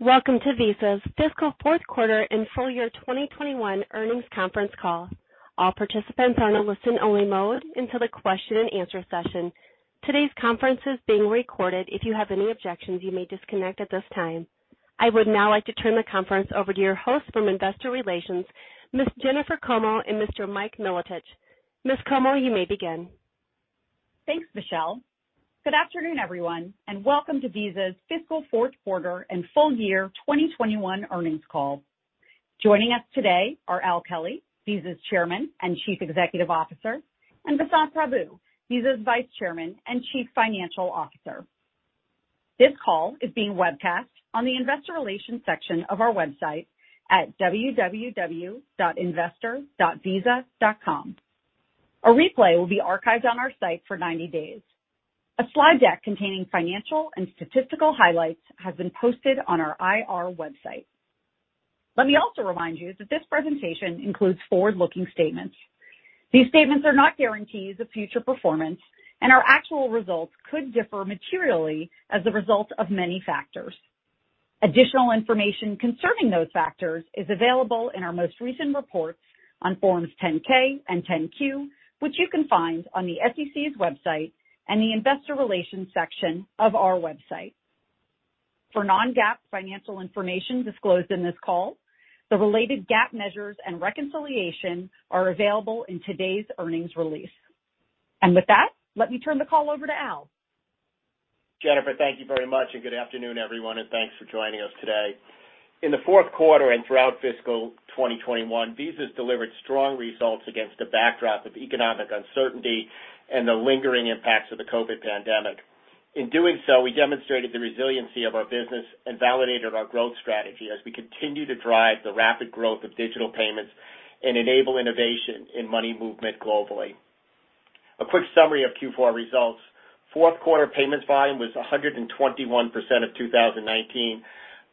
Welcome to Visa's fiscal fourth quarter and full year 2021 earnings conference call. All participants are on a listen only mode until the question-and-answer session. Today's conference is being recorded. If you have any objections, you may disconnect at this time. I would now like to turn the conference over to your host from Investor Relations, Ms. Jennifer Como and Mr. Mike Milotich. Ms. Como, you may begin. Thanks, Michelle. Good afternoon, everyone, and welcome to Visa's fiscal fourth quarter and full year 2021 earnings call. Joining us today are Al Kelly, Visa's Chairman and Chief Executive Officer, and Vasant Prabhu, Visa's Vice Chairman and Chief Financial Officer. This call is being webcast on the Investor Relations section of our website at www.investor.visa.com. A replay will be archived on our site for 90 days. A slide deck containing financial and statistical highlights has been posted on our IR website. Let me also remind you that this presentation includes forward-looking statements. These statements are not guarantees of future performance, and our actual results could differ materially as a result of many factors. Additional information concerning those factors is available in our most recent reports on Forms 10-K and 10-Q, which you can find on the SEC's website and the Investor Relations section of our website. For non-GAAP financial information disclosed in this call, the related GAAP measures and reconciliation are available in today's earnings release. With that, let me turn the call over to Al. Jennifer, thank you very much, and good afternoon, everyone, and thanks for joining us today. In the fourth quarter and throughout fiscal 2021, Visa's delivered strong results against a backdrop of economic uncertainty and the lingering impacts of the COVID pandemic. In doing so, we demonstrated the resiliency of our business and validated our growth strategy as we continue to drive the rapid growth of digital payments and enable innovation in money movement globally. A quick summary of Q4 results. Fourth quarter payments volume was 121% of 2019,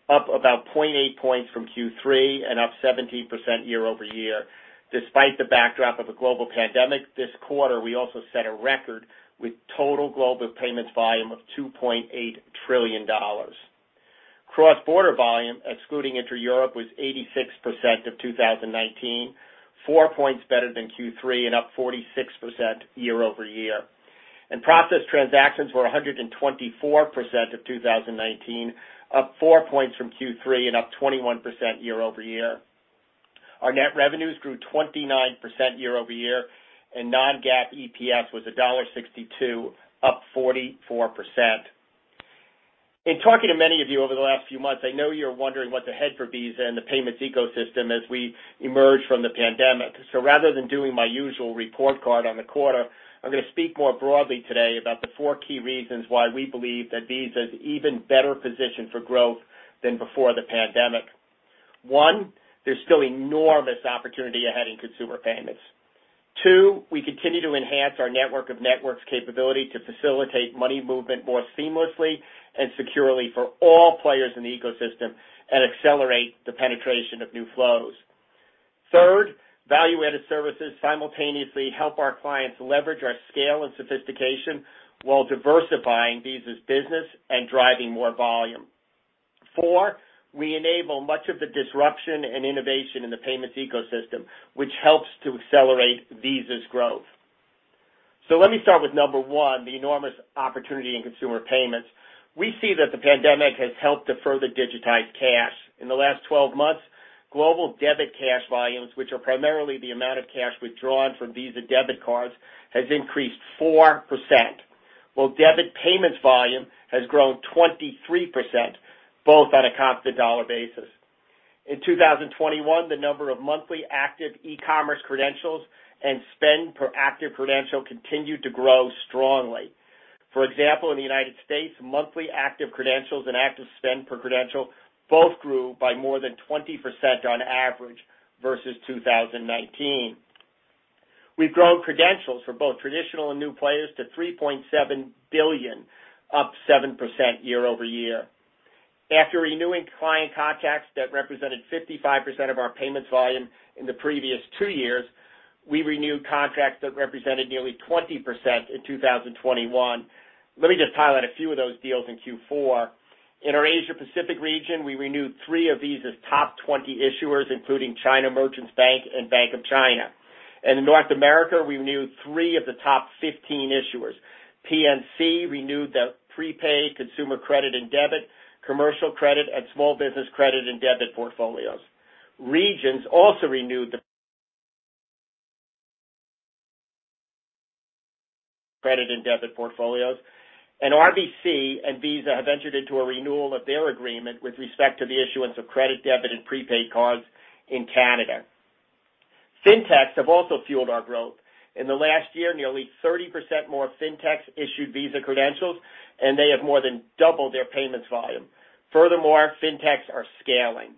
up about 0.8 points from Q3 and up 17% year-over-year. Despite the backdrop of a global pandemic, this quarter we also set a record with total global payments volume of $2.8 trillion. Cross-border volume, excluding Intra-Europe, was 86% of 2019, 4 points better than Q3 and up 46% year-over-year. Processed transactions were 124% of 2019, up 4 points from Q3 and up 21% year-over-year. Our net revenues grew 29% year-over-year, and non-GAAP EPS was $1.62, up 44%. In talking to many of you over the last few months, I know you're wondering what's ahead for Visa and the payments ecosystem as we emerge from the pandemic. Rather than doing my usual report card on the quarter, I'm going to speak more broadly today about the four key reasons why we believe that Visa is even better positioned for growth than before the pandemic. One, there's still enormous opportunity ahead in consumer payments. Two, we continue to enhance our network of networks capability to facilitate money movement more seamlessly and securely for all players in the ecosystem and accelerate the penetration of new flows. Third, value-added services simultaneously help our clients leverage our scale and sophistication while diversifying Visa's business and driving more volume. Four, we enable much of the disruption and innovation in the payments ecosystem, which helps to accelerate Visa's growth. Let me start with number one, the enormous opportunity in consumer payments. We see that the pandemic has helped to further digitize cash. In the last 12 months, global debit cash volumes, which are primarily the amount of cash withdrawn from Visa debit cards, has increased 4%, while debit payments volume has grown 23%, both on a constant dollar basis. In 2021, the number of monthly active e-commerce credentials and spend per active credential continued to grow strongly. For example, in the United States, monthly active credentials and active spend per credential both grew by more than 20% on average versus 2019. We've grown credentials for both traditional and new players to 3.7 billion, up 7% year-over-year. After renewing client contracts that represented 55% of our payments volume in the previous two years, we renewed contracts that represented nearly 20% in 2021. Let me just highlight a few of those deals in Q4. In our Asia Pacific region, we renewed three of Visa's top 20 issuers, including China Merchants Bank and Bank of China. In North America, we renewed three of the top 15 issuers. PNC renewed the prepaid consumer credit and debit, commercial credit, and small business credit and debit portfolios. Regions also renewed the credit and debit portfolios, and RBC and Visa have entered into a renewal of their agreement with respect to the issuance of credit, debit, and prepaid cards in Canada. Fintechs have also fueled our growth. In the last year, nearly 30% more fintechs issued Visa credentials, and they have more than doubled their payments volume. Furthermore, fintechs are scaling.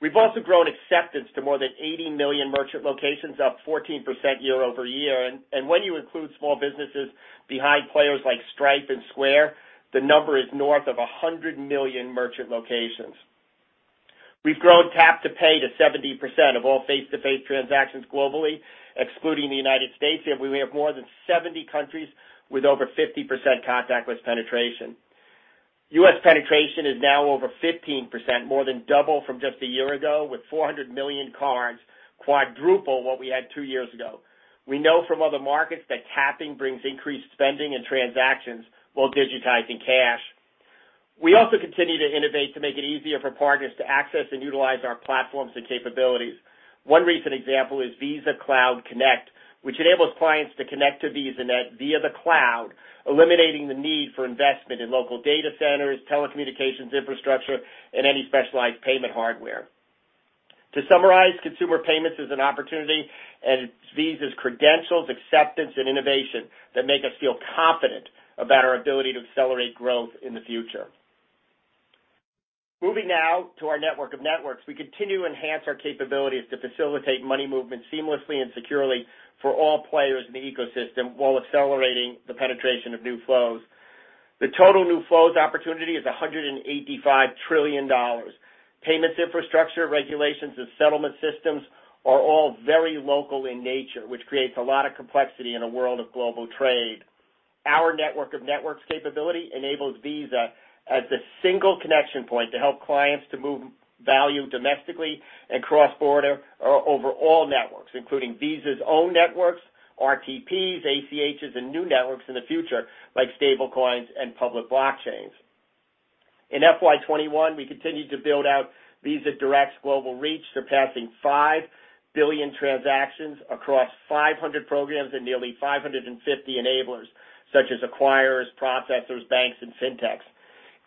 We've also grown acceptance to more than 80 million merchant locations, up 14% year-over-year. When you include small businesses behind players like Stripe and Square, the number is north of 100 million merchant locations. We've grown Tap to Pay to 70% of all face-to-face transactions globally, excluding the United States, and we have more than 70 countries with over 50% contactless penetration. U.S. penetration is now over 15%, more than double from just a year ago, with 400 million cards, quadruple what we had two years ago. We know from other markets that tapping brings increased spending and transactions while digitizing cash. We also continue to innovate to make it easier for partners to access and utilize our platforms and capabilities. One recent example is Visa Cloud Connect, which enables clients to connect to VisaNet via the cloud, eliminating the need for investment in local data centers, telecommunications infrastructure, and any specialized payment hardware. To summarize, consumer payments is an opportunity and Visa's credentials, acceptance and innovation that make us feel confident about our ability to accelerate growth in the future. Moving now to our network of networks. We continue to enhance our capabilities to facilitate money movement seamlessly and securely for all players in the ecosystem while accelerating the penetration of new flows. The total new flows opportunity is $185 trillion. Payments infrastructure, regulations, and settlement systems are all very local in nature, which creates a lot of complexity in a world of global trade. Our network-of-networks capability enables Visa as a single connection point to help clients to move value domestically and cross-border over all networks, including Visa's own networks, RTPs, ACHs, and new networks in the future, like stablecoins and public blockchains. In FY 2021, we continued to build out Visa Direct's global reach, surpassing 5 billion transactions across 500 programs and nearly 550 enablers such as acquirers, processors, banks, and fintechs.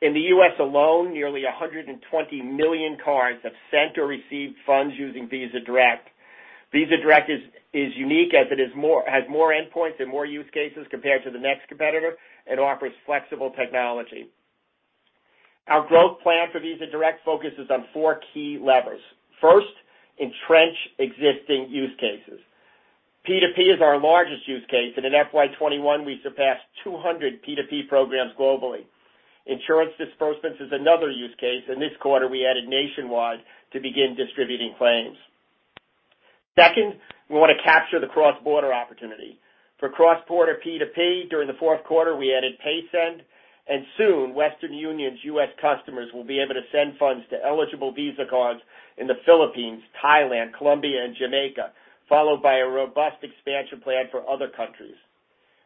In the U.S. alone, nearly 120 million cards have sent or received funds using Visa Direct. Visa Direct is unique as it has more endpoints and more use cases compared to the next competitor and offers flexible technology. Our growth plan for Visa Direct focuses on four key levers. First, entrench existing use cases. P2P is our largest use case, and in FY 2021, we surpassed 200 P2P programs globally. Insurance disbursements is another use case, and this quarter we added Nationwide to begin distributing claims. Second, we wanna capture the cross-border opportunity. For cross-border P2P, during the fourth quarter, we added Paysend, and soon Western Union's U.S. customers will be able to send funds to eligible Visa cards in the Philippines, Thailand, Colombia, and Jamaica, followed by a robust expansion plan for other countries.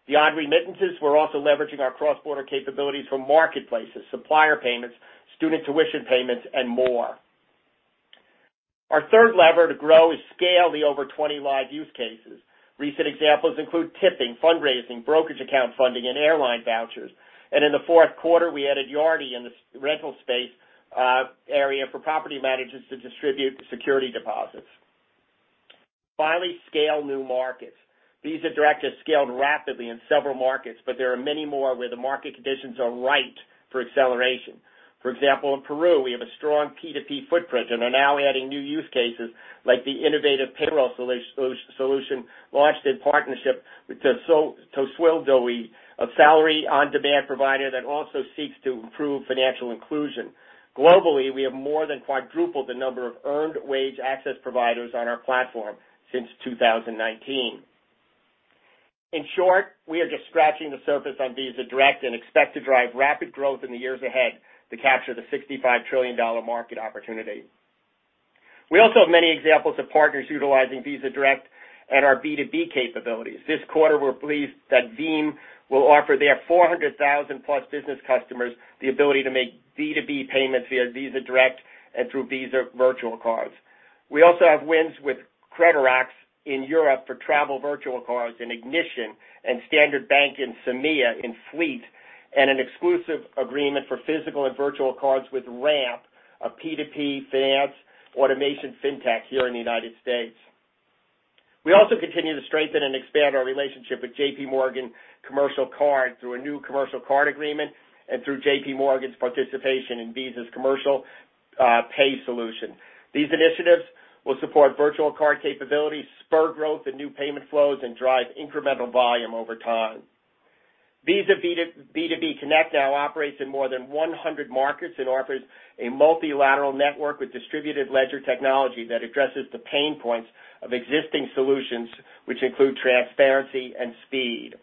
Beyond remittances, we're also leveraging our cross-border capabilities for marketplaces, supplier payments, student tuition payments, and more. Our third lever to grow is scale the over 20 live use cases. Recent examples include tipping, fundraising, brokerage account funding, and airline vouchers. In the fourth quarter, we added Yardi in the rental space area for property managers to distribute security deposits. Finally, scale new markets. Visa Direct has scaled rapidly in several markets, but there are many more where the market conditions are right for acceleration. For example, in Peru, we have a strong P2P footprint and are now adding new use cases like the innovative payroll solution launched in partnership with TuSueldoYa, a salary on-demand provider that also seeks to improve financial inclusion. Globally, we have more than quadrupled the number of earned wage access providers on our platform since 2019. In short, we are just scratching the surface on Visa Direct and expect to drive rapid growth in the years ahead to capture the $65 trillion market opportunity. We also have many examples of partners utilizing Visa Direct and our B2B capabilities. This quarter, we're pleased that BIM will offer their 400,000+ business customers the ability to make B2B payments via Visa Direct and through Visa virtual cards. We also have wins with Credorax in Europe for travel virtual cards and Ignition and Standard Bank in CEMEA in fleet, and an exclusive agreement for physical and virtual cards with Ramp, a P2P finance automation fintech here in the United States. We also continue to strengthen and expand our relationship with JPMorgan Commercial Card through a new commercial card agreement and through JPMorgan's participation in Visa's Commercial Pay Solution. These initiatives will support virtual card capabilities, spur growth and new payment flows, and drive incremental volume over time. Visa B2B Connect now operates in more than 100 markets and offers a multilateral network with distributed ledger technology that addresses the pain points of existing solutions, which include transparency and speed.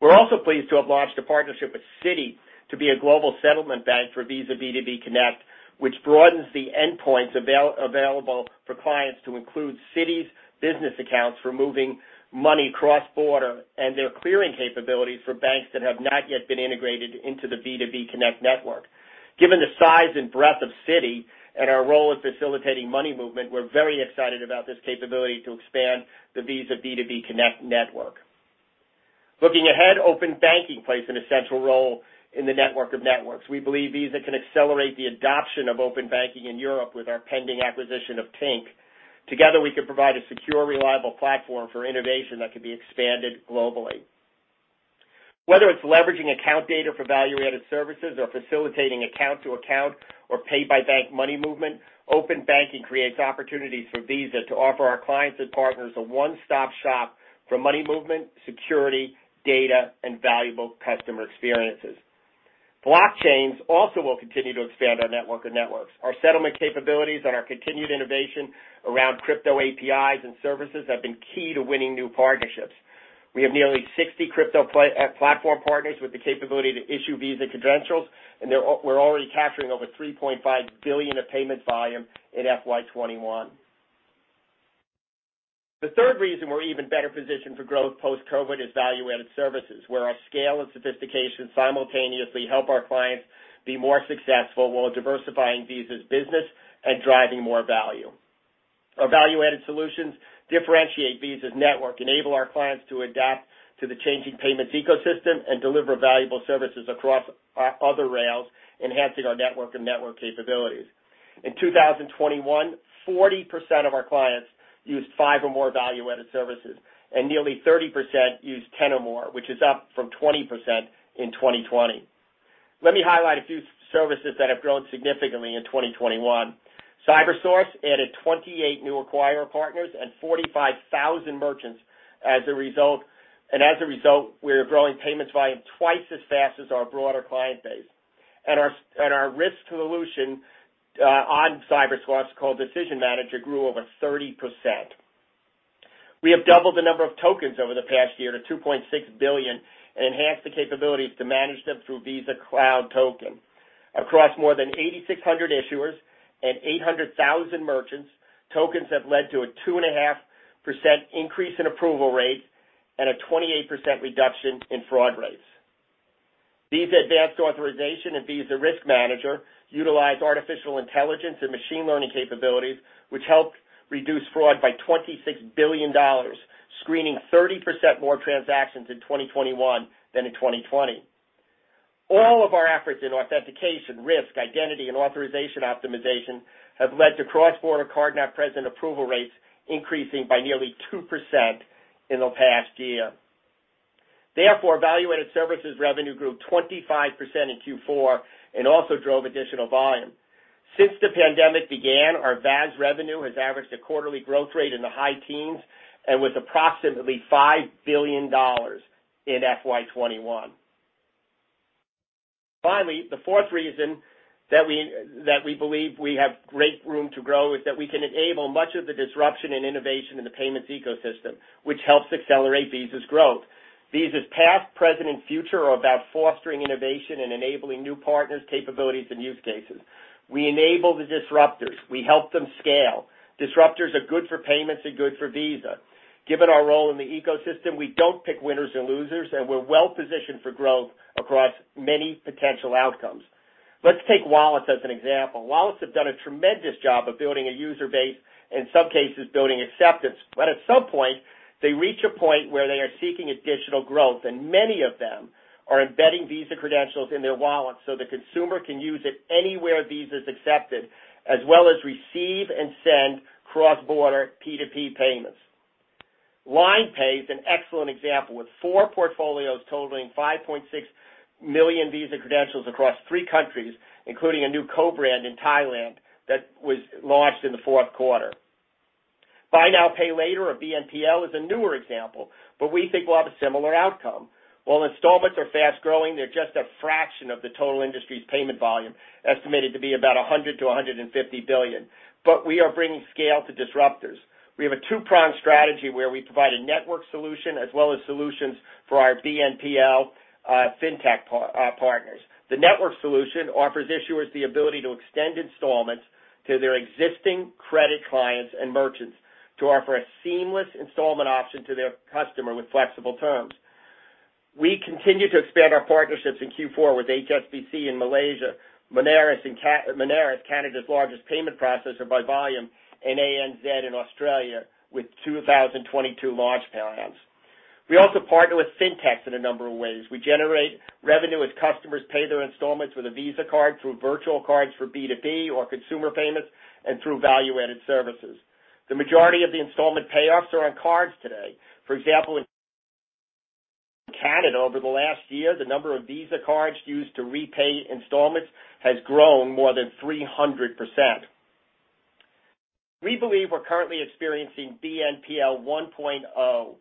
We're also pleased to have launched a partnership with Citi to be a global settlement bank for Visa B2B Connect, which broadens the endpoints available for clients to include Citi's business accounts for moving money cross-border and their clearing capabilities for banks that have not yet been integrated into the B2B Connect network. Given the size and breadth of Citi and our role in facilitating money movement, we're very excited about this capability to expand the Visa B2B Connect network. Looking ahead, open banking plays an essential role in the network of networks. We believe Visa can accelerate the adoption of open banking in Europe with our pending acquisition of Tink. Together, we can provide a secure, reliable platform for innovation that can be expanded globally. Whether it's leveraging account data for value-added services or facilitating account to account or pay-by-bank money movement, open banking creates opportunities for Visa to offer our clients and partners a one-stop shop for money movement, security, data, and valuable customer experiences. Blockchains also will continue to expand our network of networks. Our settlement capabilities and our continued innovation around crypto APIs and services have been key to winning new partnerships. We have nearly 60 crypto platform partners with the capability to issue Visa credentials, and we're already capturing over $3.5 billion of payment volume in FY 2021. The third reason we're even better positioned for growth post-COVID is value-added services, where our scale and sophistication simultaneously help our clients be more successful while diversifying Visa's business and driving more value. Our value-added solutions differentiate Visa's network, enable our clients to adapt to the changing payments ecosystem, and deliver valuable services across other rails, enhancing our network of networks capabilities. In 2021, 40% of our clients used five or more value-added services, and nearly 30% used 10 or more, which is up from 20% in 2020. Let me highlight a few services that have grown significantly in 2021. CyberSource added 28 new acquirer partners and 45,000 merchants as a result. As a result, we are growing payments volume twice as fast as our broader client base. Our risk solution on CyberSource called Decision Manager grew over 30%. We have doubled the number of tokens over the past year to 2.6 billion and enhanced the capabilities to manage them through Visa Cloud Token. Across more than 8,600 issuers and 800,000 merchants, tokens have led to a 2.5% increase in approval rate and a 28% reduction in fraud rates. Visa Advanced Authorization and Visa Risk Manager utilize artificial intelligence and machine learning capabilities, which helped reduce fraud by $26 billion, screening 30% more transactions in 2021 than in 2020. All of our efforts in authentication, risk, identity, and authorization optimization have led to cross-border card-not-present approval rates increasing by nearly 2% in the past year. Value-added services revenue grew 25% in Q4 and also drove additional volume. Since the pandemic began, our VAS revenue has averaged a quarterly growth rate in the high teens and with approximately $5 billion in FY 2021. Finally, the fourth reason that we believe we have great room to grow is that we can enable much of the disruption and innovation in the payments ecosystem, which helps accelerate Visa's growth. Visa's past, present, and future are about fostering innovation and enabling new partners, capabilities, and use cases. We enable the disruptors. We help them scale. Disruptors are good for payments and good for Visa. Given our role in the ecosystem, we don't pick winners or losers, and we're well-positioned for growth across many potential outcomes. Let's take wallets as an example. Wallets have done a tremendous job of building a user base, in some cases, building acceptance. At some point, they reach a point where they are seeking additional growth, and many of them are embedding Visa credentials in their wallet so the consumer can use it anywhere Visa is accepted, as well as receive and send cross-border P2P payments. LINE Pay is an excellent example, with four portfolios totaling 5.6 million Visa credentials across three countries, including a new co-brand in Thailand that was launched in the fourth quarter. Buy Now Pay Later or BNPL is a newer example, but we think we'll have a similar outcome. While installments are fast-growing, they're just a fraction of the total industry's payment volume, estimated to be about $100 billion-$150 billion. We are bringing scale to disruptors. We have a two-pronged strategy where we provide a network solution as well as solutions for our BNPL, fintech partners. The network solution offers issuers the ability to extend installments to their existing credit clients and merchants to offer a seamless installment option to their customer with flexible terms. We continue to expand our partnerships in Q4 with HSBC in Malaysia, Moneris, Canada's largest payment processor by volume, and ANZ in Australia with 2022 launch plans. We also partner with fintechs in a number of ways. We generate revenue as customers pay their installments with a Visa card through virtual cards for B2B or consumer payments and through value-added services. The majority of the installment payoffs are on cards today. For example, in Canada, over the last year, the number of Visa cards used to repay installments has grown more than 300%. We believe we're currently experiencing BNPL 1.0.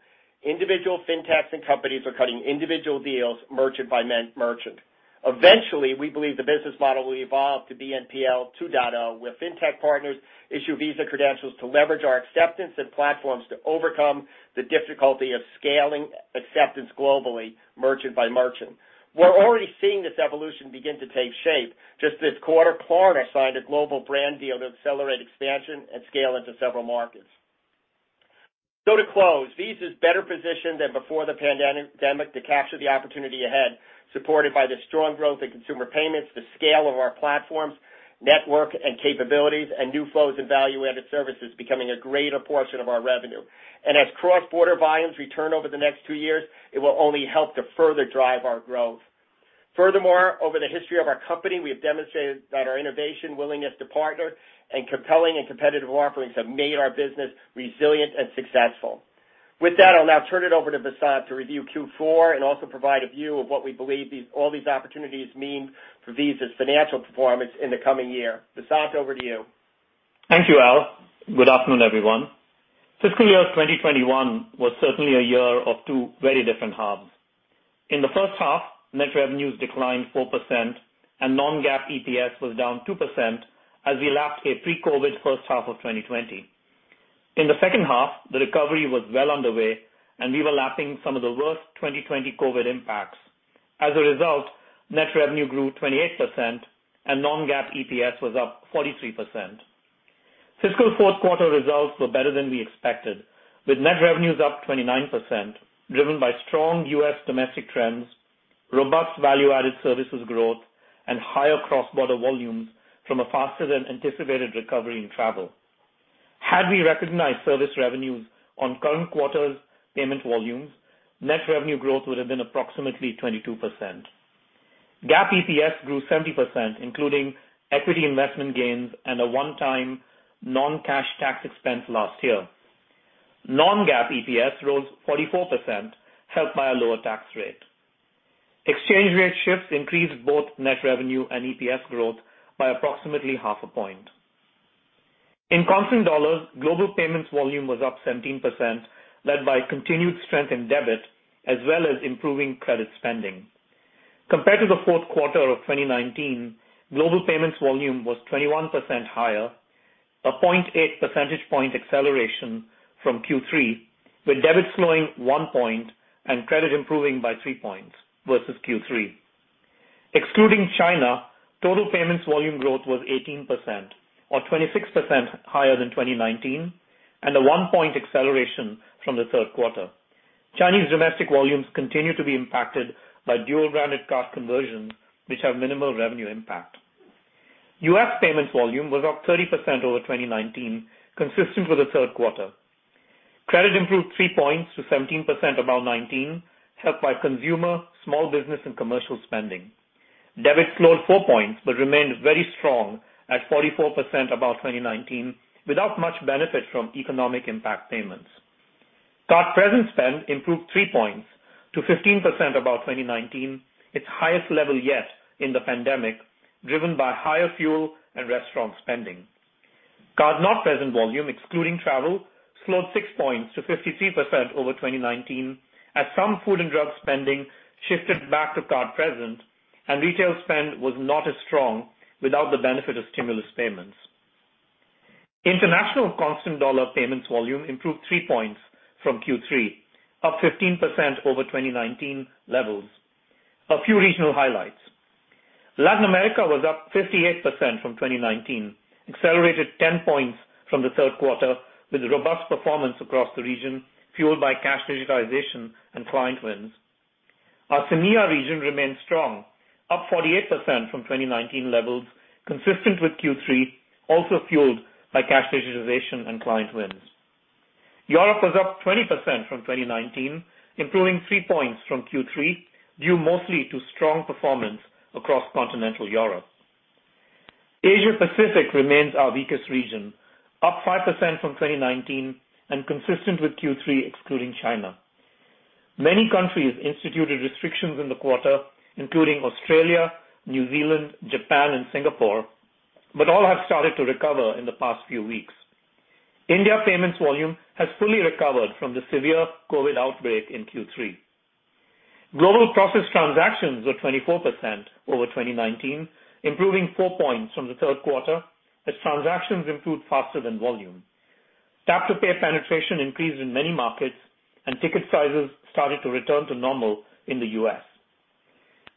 Individual fintechs and companies are cutting individual deals merchant by merchant. Eventually, we believe the business model will evolve to BNPL 2.0, where fintech partners issue Visa credentials to leverage our acceptance and platforms to overcome the difficulty of scaling acceptance globally, merchant by merchant. We're already seeing this evolution begin to take shape. Just this quarter, Klarna signed a global brand deal to accelerate expansion and scale into several markets. To close, Visa is better positioned than before the pandemic to capture the opportunity ahead, supported by the strong growth in consumer payments, the scale of our platforms, network and capabilities, and new flows in value-added services becoming a greater portion of our revenue. As cross-border volumes return over the next two years, it will only help to further drive our growth. Furthermore, over the history of our company, we have demonstrated that our innovation, willingness to partner, and compelling and competitive offerings have made our business resilient and successful. With that, I'll now turn it over to Vasant to review Q4 and also provide a view of what we believe these, all these opportunities mean for Visa's financial performance in the coming year. Vasant, over to you. Thank you, Al. Good afternoon, everyone. Fiscal year 2021 was certainly a year of two very different halves. In the first half, net revenues declined 4% and non-GAAP EPS was down 2% as we lapped a pre-COVID first half of 2020. In the second half, the recovery was well underway, and we were lapping some of the worst 2020 COVID impacts. As a result, net revenue grew 28% and non-GAAP EPS was up 43%. Fiscal fourth quarter results were better than we expected, with net revenues up 29% driven by strong U.S. domestic trends, robust value-added services growth, and higher cross-border volumes from a faster than anticipated recovery in travel. Had we recognized service revenues on current quarter's payment volumes, net revenue growth would have been approximately 22%. GAAP EPS grew 70%, including equity investment gains and a one-time non-cash tax expense last year. Non-GAAP EPS rose 44%, helped by a lower tax rate. Exchange rate shifts increased both net revenue and EPS growth by approximately 0.5 point. In constant dollars, global payments volume was up 17%, led by continued strength in debit as well as improving credit spending. Compared to the fourth quarter of 2019, global payments volume was 21% higher, 0.8 percentage point acceleration from Q3, with debit slowing 1 point and credit improving by 3 points versus Q3. Excluding China, total payments volume growth was 18% or 26% higher than 2019 and a 1 point acceleration from the third quarter. Chinese domestic volumes continue to be impacted by dual-branded card conversions, which have minimal revenue impact. U.S. payments volume was up 30% over 2019, consistent with the third quarter. Credit improved 3 points to 17% above 2019, helped by consumer, small business, and commercial spending. Debit slowed 4 points, but remained very strong at 44% above 2019 without much benefit from economic impact payments. Card present spend improved 3 points to 15% above 2019, its highest level yet in the pandemic, driven by higher fuel and restaurant spending. card-not-present volume excluding travel slowed 6 points to 53% over 2019 as some food and drug spending shifted back to card present and retail spend was not as strong without the benefit of stimulus payments. International constant dollar payments volume improved 3 points from Q3, up 15% over 2019 levels. A few regional highlights. Latin America was up 58% from 2019, accelerated 10 points from the third quarter with robust performance across the region, fueled by cash digitization and client wins. Our CEMEA region remained strong, up 48% from 2019 levels, consistent with Q3, also fueled by cash digitization and client wins. Europe was up 20% from 2019, improving 3 points from Q3, due mostly to strong performance across continental Europe. Asia Pacific remains our weakest region, up 5% from 2019 and consistent with Q3 excluding China. Many countries instituted restrictions in the quarter, including Australia, New Zealand, Japan, and Singapore, but all have started to recover in the past few weeks. India payments volume has fully recovered from the severe COVID outbreak in Q3. Global processed transactions were 24% over 2019, improving 4 points from the third quarter as transactions improved faster than volume. Tap to Pay penetration increased in many markets and ticket sizes started to return to normal in the U.S.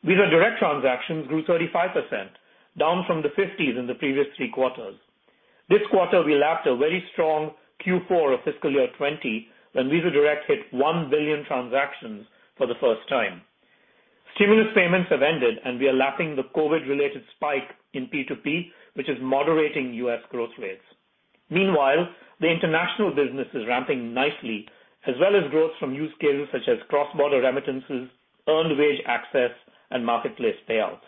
Visa Direct transactions grew 35%, down from the 50s in the previous three quarters. This quarter, we lapped a very strong Q4 of fiscal year 2020 when Visa Direct hit 1 billion transactions for the first time. Stimulus payments have ended, and we are lapping the COVID-related spike in P2P, which is moderating U.S. growth rates. Meanwhile, the international business is ramping nicely, as well as growth from use cases such as cross-border remittances, earned wage access, and marketplace payouts.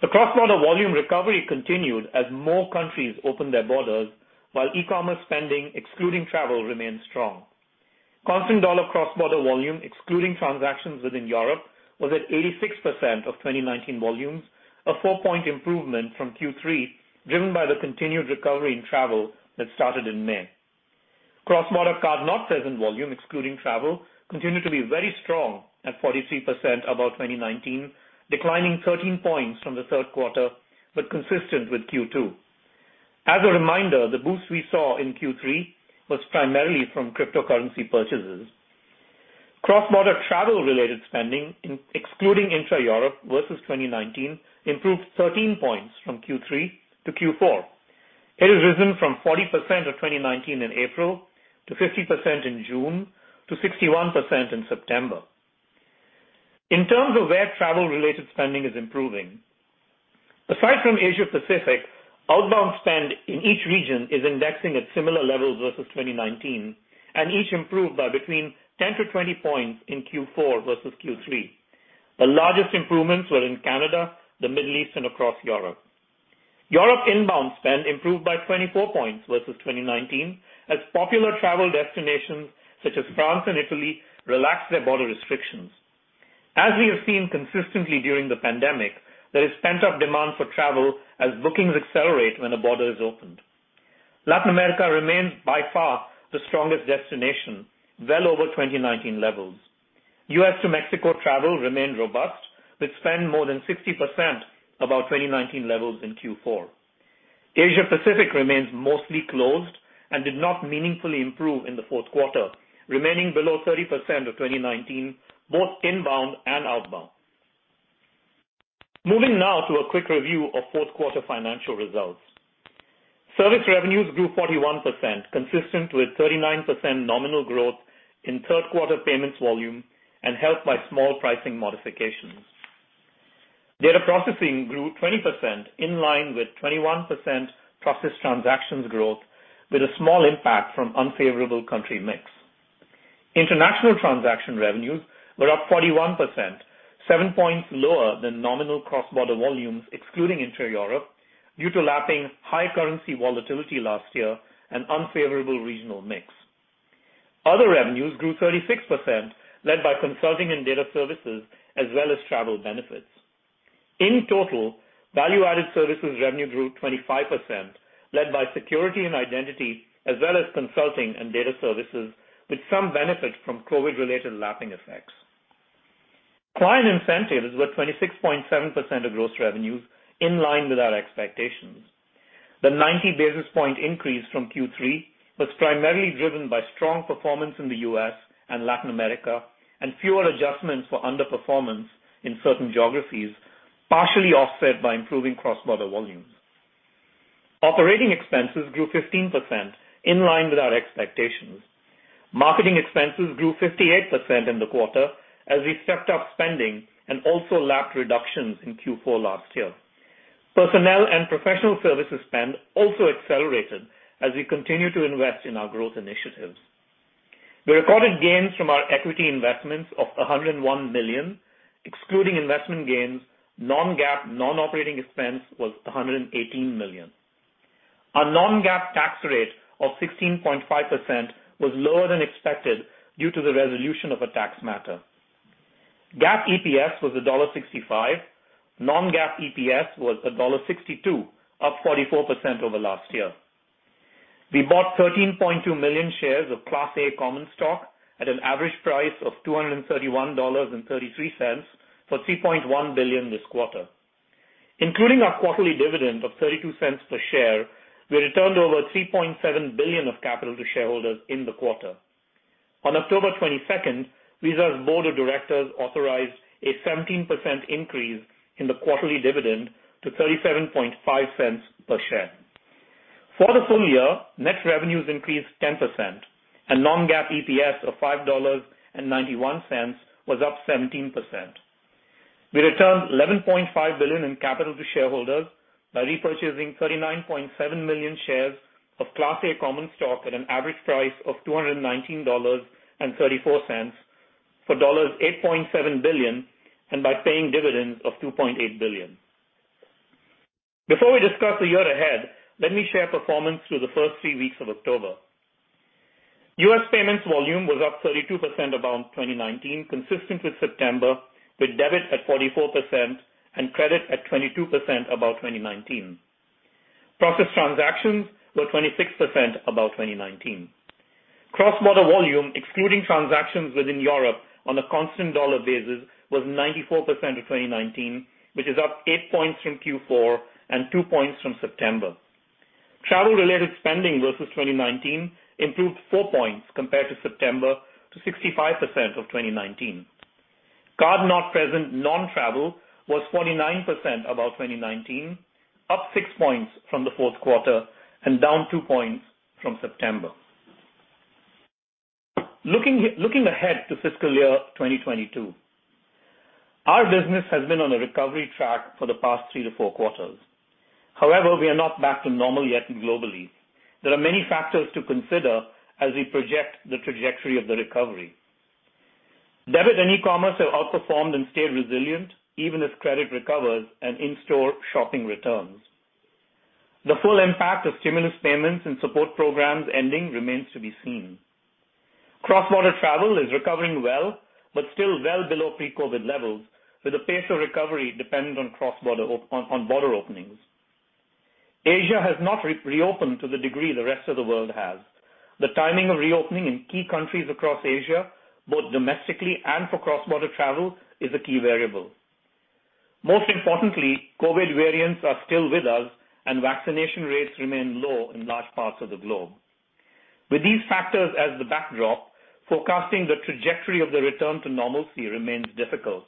The cross-border volume recovery continued as more countries opened their borders while e-commerce spending excluding travel remained strong. Constant dollar cross-border volume excluding transactions within Europe was at 86% of 2019 volumes, a 4-point improvement from Q3, driven by the continued recovery in travel that started in May. Cross-border card-not-present volume excluding travel continued to be very strong at 43% above 2019, declining 13 points from the third quarter, but consistent with Q2. As a reminder, the boost we saw in Q3 was primarily from cryptocurrency purchases. Cross-border travel-related spending excluding Intra-Europe versus 2019 improved 13 points from Q3 to Q4. It has risen from 40% of 2019 in April to 50% in June to 61% in September. In terms of where travel-related spending is improving, aside from Asia Pacific, outbound spend in each region is indexing at similar levels versus 2019 and each improved by between 10-20 points in Q4 versus Q3. The largest improvements were in Canada, the Middle East, and across Europe. Europe inbound spend improved by 24 points versus 2019 as popular travel destinations such as France and Italy relaxed their border restrictions. As we have seen consistently during the pandemic, there is pent-up demand for travel as bookings accelerate when a border is opened. Latin America remains by far the strongest destination, well over 2019 levels. U.S. to Mexico travel remained robust, with spend more than 60% above 2019 levels in Q4. Asia Pacific remains mostly closed and did not meaningfully improve in the fourth quarter, remaining below 30% of 2019, both inbound and outbound. Moving now to a quick review of fourth-quarter financial results. Service revenues grew 41%, consistent with 39% nominal growth in third-quarter payments volume and helped by small pricing modifications. Data processing grew 20%, in line with 21% processed transactions growth, with a small impact from unfavorable country mix. International transaction revenues were up 41%, 7 points lower than nominal cross-border volumes, excluding intra-Europe, due to lapping high currency volatility last year and unfavorable regional mix. Other revenues grew 36%, led by consulting and data services as well as travel benefits. In total, value-added services revenue grew 25%, led by security and identity as well as consulting and data services, with some benefit from COVID-related lapping effects. Client incentives were 26.7% of gross revenues, in line with our expectations. The 90 basis point increase from Q3 was primarily driven by strong performance in the U.S. and Latin America and fewer adjustments for underperformance in certain geographies, partially offset by improving cross-border volumes. Operating expenses grew 15%, in line with our expectations. Marketing expenses grew 58% in the quarter as we stepped up spending and also lapped reductions in Q4 last year. Personnel and professional services spend also accelerated as we continue to invest in our growth initiatives. We recorded gains from our equity investments of $101 million. Excluding investment gains non-GAAP, non-operating expense was $118 million. Our non-GAAP tax rate of 16.5% was lower than expected due to the resolution of a tax matter. GAAP EPS was $1.65. Non-GAAP EPS was $1.62, up 44% over last year. We bought 13.2 million shares of Class A common stock at an average price of $231.33 for $3.1 billion this quarter. Including our quarterly dividend of $0.32 per share, we returned over $3.7 billion of capital to shareholders in the quarter. On October 22, Visa's Board of Directors authorized a 17% increase in the quarterly dividend to $0.375 per share. For the full year, net revenues increased 10% and non-GAAP EPS of $5.91 was up 17%. We returned $11.5 billion in capital to shareholders by repurchasing 39.7 million shares of Class A common stock at an average price of $219.34 for $8.7 billion, and by paying dividends of $2.8 billion. Before we discuss the year ahead, let me share performance through the first three weeks of October. U.S. payments volume was up 32% above 2019, consistent with September, with debit at 44% and credit at 22% above 2019. Processed transactions were 26% above 2019. Cross-border volume, excluding transactions within Europe on a constant-dollar basis, was 94% of 2019, which is up 8 points from Q4 and 2 points from September. Travel-related spending versus 2019 improved 4 points compared to September to 65% of 2019. Card-not-present non-travel was 49% above 2019, up 6 points from the fourth quarter and down 2 points from September. Looking ahead to fiscal year 2022. Our business has been on a recovery track for the past 3-4 quarters. However, we are not back to normal yet globally. There are many factors to consider as we project the trajectory of the recovery. Debit and e-commerce have outperformed and stayed resilient even as credit recovers and in-store shopping returns. The full impact of stimulus payments and support programs ending remains to be seen. Cross-border travel is recovering well, but still well below pre-COVID levels, with the pace of recovery dependent on border openings. Asia has not reopened to the degree the rest of the world has. The timing of reopening in key countries across Asia, both domestically and for cross-border travel, is a key variable. Most importantly, COVID variants are still with us and vaccination rates remain low in large parts of the globe. With these factors as the backdrop, forecasting the trajectory of the return to normalcy remains difficult.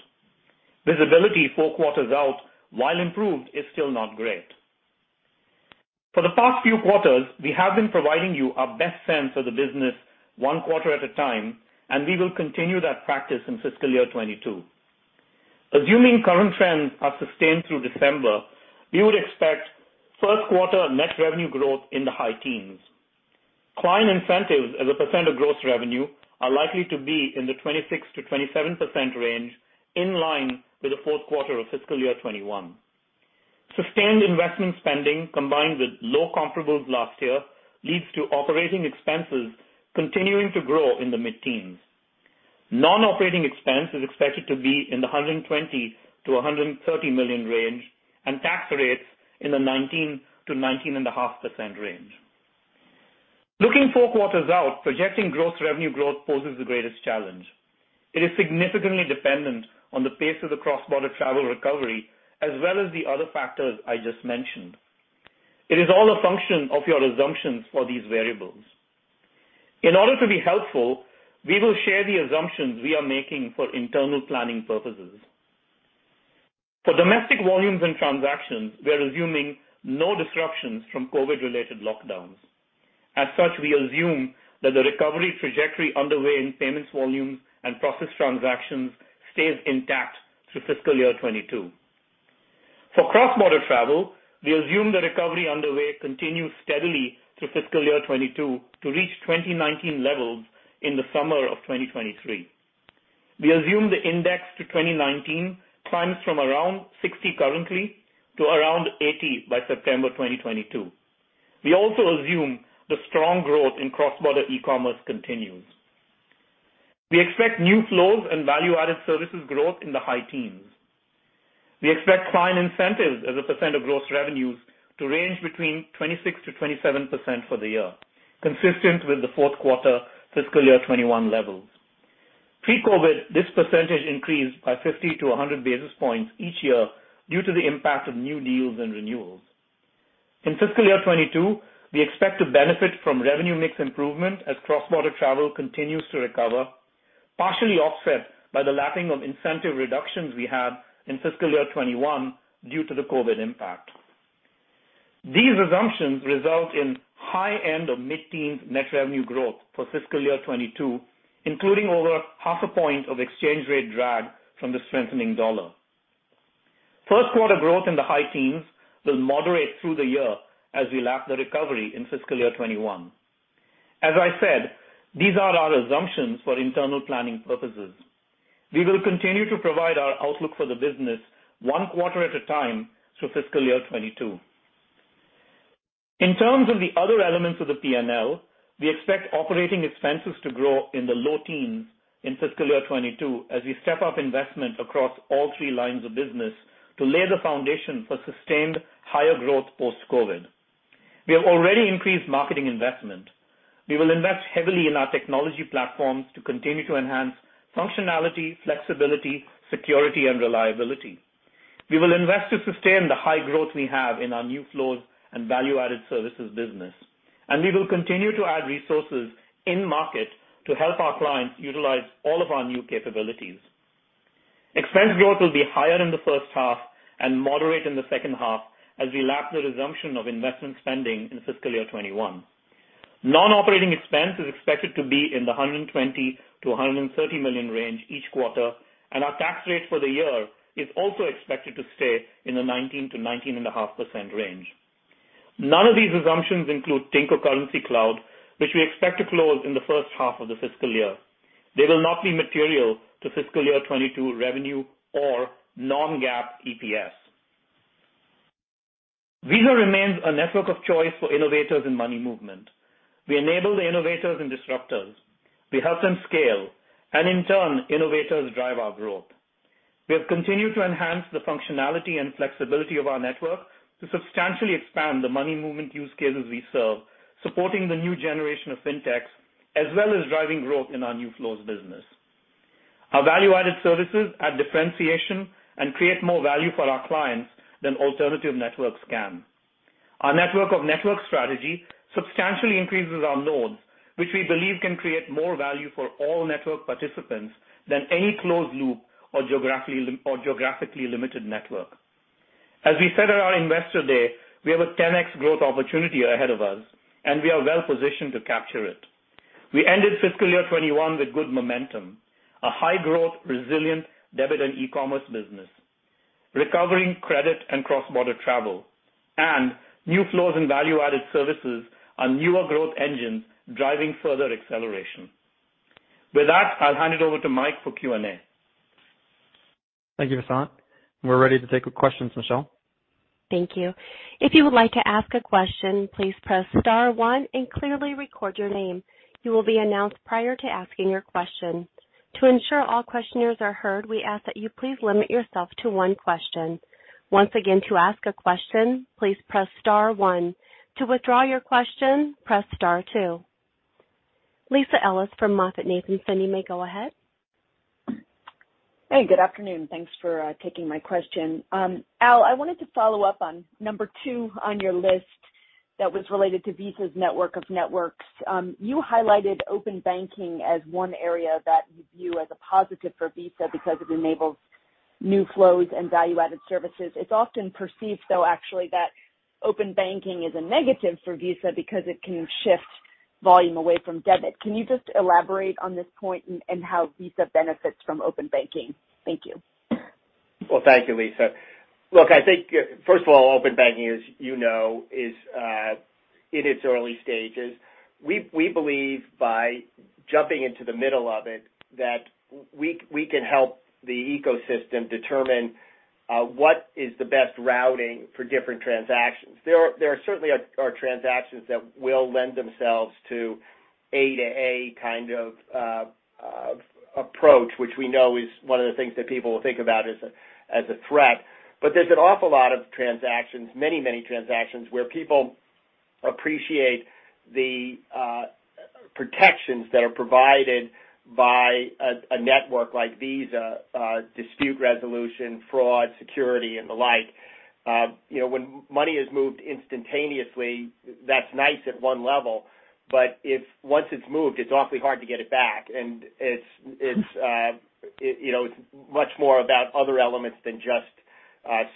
Visibility four quarters out, while improved, is still not great. For the past few quarters, we have been providing you our best sense of the business one quarter at a time, and we will continue that practice in fiscal year 2022. Assuming current trends are sustained through December, we would expect first quarter net revenue growth in the high teens. Client incentives as a percent of gross revenue are likely to be in the 26%-27% range, in line with the fourth quarter of fiscal year 2021. Sustained investment spending combined with low comparables last year leads to operating expenses continuing to grow in the mid-teens. Non-operating expense is expected to be in the $120 million-$130 million range, and tax rates in the 19%-19.5% range. Looking four quarters out, projecting gross revenue growth poses the greatest challenge. It is significantly dependent on the pace of the cross-border travel recovery as well as the other factors I just mentioned. It is all a function of your assumptions for these variables. In order to be helpful, we will share the assumptions we are making for internal planning purposes. For domestic volumes and transactions, we are assuming no disruptions from COVID-related lockdowns. As such, we assume that the recovery trajectory underway in payments volume and processed transactions stays intact through fiscal year 2022. For cross-border travel, we assume the recovery underway continues steadily through fiscal year 2022 to reach 2019 levels in the summer of 2023. We assume the index to 2019 climbs from around 60 currently to around 80 by September 2022. We also assume the strong growth in cross-border e-commerce continues. We expect new flows and value-added services growth in the high teens. We expect client incentives as a percent of gross revenues to range between 26%-27% for the year, consistent with the fourth quarter FY 2021 levels. Pre-COVID, this percentage increased by 50-100 basis points each year due to the impact of new deals and renewals. In FY 2022, we expect to benefit from revenue mix improvement as cross-border travel continues to recover, partially offset by the lapping of incentive reductions we had in FY 2021 due to the COVID impact. These assumptions result in high end of mid-teens net revenue growth for FY 2022, including over 0.5 point of exchange rate drag from the strengthening dollar. First quarter growth in the high teens will moderate through the year as we lap the recovery in FY 2021. As I said, these are our assumptions for internal planning purposes. We will continue to provide our outlook for the business one quarter at a time through fiscal year 2022. In terms of the other elements of the P&L, we expect operating expenses to grow in the low teens in fiscal year 2022 as we step up investment across all three lines of business to lay the foundation for sustained higher growth post-COVID. We have already increased marketing investment. We will invest heavily in our technology platforms to continue to enhance functionality, flexibility, security, and reliability. We will invest to sustain the high growth we have in our new flows and value-added services business. We will continue to add resources in market to help our clients utilize all of our new capabilities. Expense growth will be higher in the first half and moderate in the second half as we lap the resumption of investment spending in fiscal year 2021. Non-operating expense is expected to be in the $120 million-$130 million range each quarter, and our tax rate for the year is also expected to stay in the 19%-19.5% range. None of these assumptions include Tink or Currencycloud, which we expect to close in the first half of the fiscal year. They will not be material to fiscal year 2022 revenue or non-GAAP EPS. Visa remains a network of choice for innovators in money movement. We enable the innovators and disruptors. We help them scale, and in turn, innovators drive our growth. We have continued to enhance the functionality and flexibility of our network to substantially expand the money movement use cases we serve, supporting the new generation of fintechs, as well as driving growth in our new flows business. Our value-added services add differentiation and create more value for our clients than alternative networks can. Our network of networks strategy substantially increases our loads, which we believe can create more value for all network participants than any closed loop or geographically limited network. As we said at our Investor Day, we have a 10x growth opportunity ahead of us, and we are well-positioned to capture it. We ended fiscal year 2021 with good momentum, a high-growth, resilient debit and e-commerce business, recovering credit and cross-border travel, and new flows in value-added services, our newer growth engine driving further acceleration. With that, I'll hand it over to Mike for Q&A. Thank you, Vasant. We're ready to take questions, Michelle. Thank you. If you would like to ask a question, please press star one and clearly record your name. You will be announced prior to asking your question. To ensure all questioners are heard, we ask that you please limit yourself to one question. Once again, to ask a question, please press star one. To withdraw your question, press star two. Lisa Ellis from MoffettNathanson, you may go ahead. Hey, good afternoon. Thanks for taking my question. Al, I wanted to follow up on number two on your list that was related to Visa's network of networks. You highlighted open banking as one area that you view as a positive for Visa because it enables new flows and value-added services. It's often perceived, though, actually, that open banking is a negative for Visa because it can shift volume away from debit. Can you just elaborate on this point and how Visa benefits from open banking? Thank you. Well, thank you, Lisa. Look, I think first of all, open banking, as you know, is in its early stages. We believe by jumping into the middle of it, that we can help the ecosystem determine what is the best routing for different transactions. There are certainly transactions that will lend themselves to A2A kind of approach, which we know is one of the things that people will think about as a threat. But there's an awful lot of transactions, many transactions, where people appreciate the protections that are provided by a network like Visa, dispute resolution, fraud, security, and the like. You know, when money is moved instantaneously, that's nice at one level, but once it's moved, it's awfully hard to get it back. It's much more about other elements than just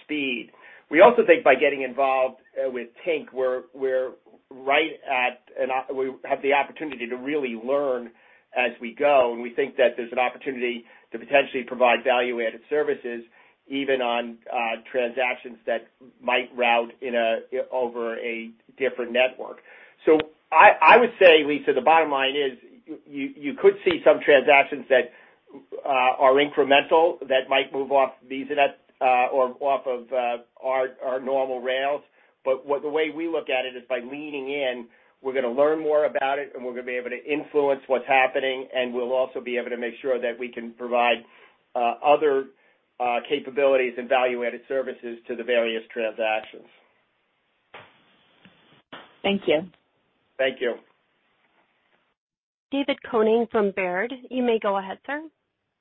speed. We also think by getting involved with Tink, we're right at an opportunity to really learn as we go, and we think that there's an opportunity to potentially provide value-added services even on transactions that might route over a different network. I would say, Lisa, the bottom line is you could see some transactions that are incremental that might move off VisaNet or off of our normal rails. what the way we look at it is by leaning in, we're gonna learn more about it, and we're gonna be able to influence what's happening, and we'll also be able to make sure that we can provide other capabilities and value-added services to the various transactions. Thank you. Thank you. David Koning from Baird. You may go ahead, sir.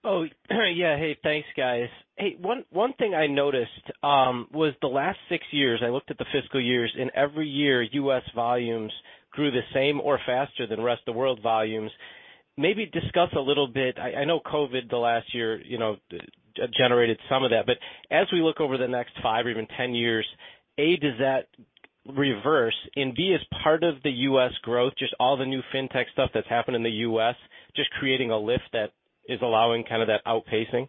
Oh, yeah. Hey, thanks, guys. Hey, one thing I noticed was the last six years. I looked at the fiscal years. In every year, U.S. volumes grew the same or faster than rest of world volumes. Maybe discuss a little bit. I know COVID, the last year, you know, generated some of that. As we look over the next five or even 10 years, A, does that reverse? And B, is part of the U.S. growth just all the new fintech stuff that's happened in the U.S. just creating a lift that is allowing kind of that outpacing?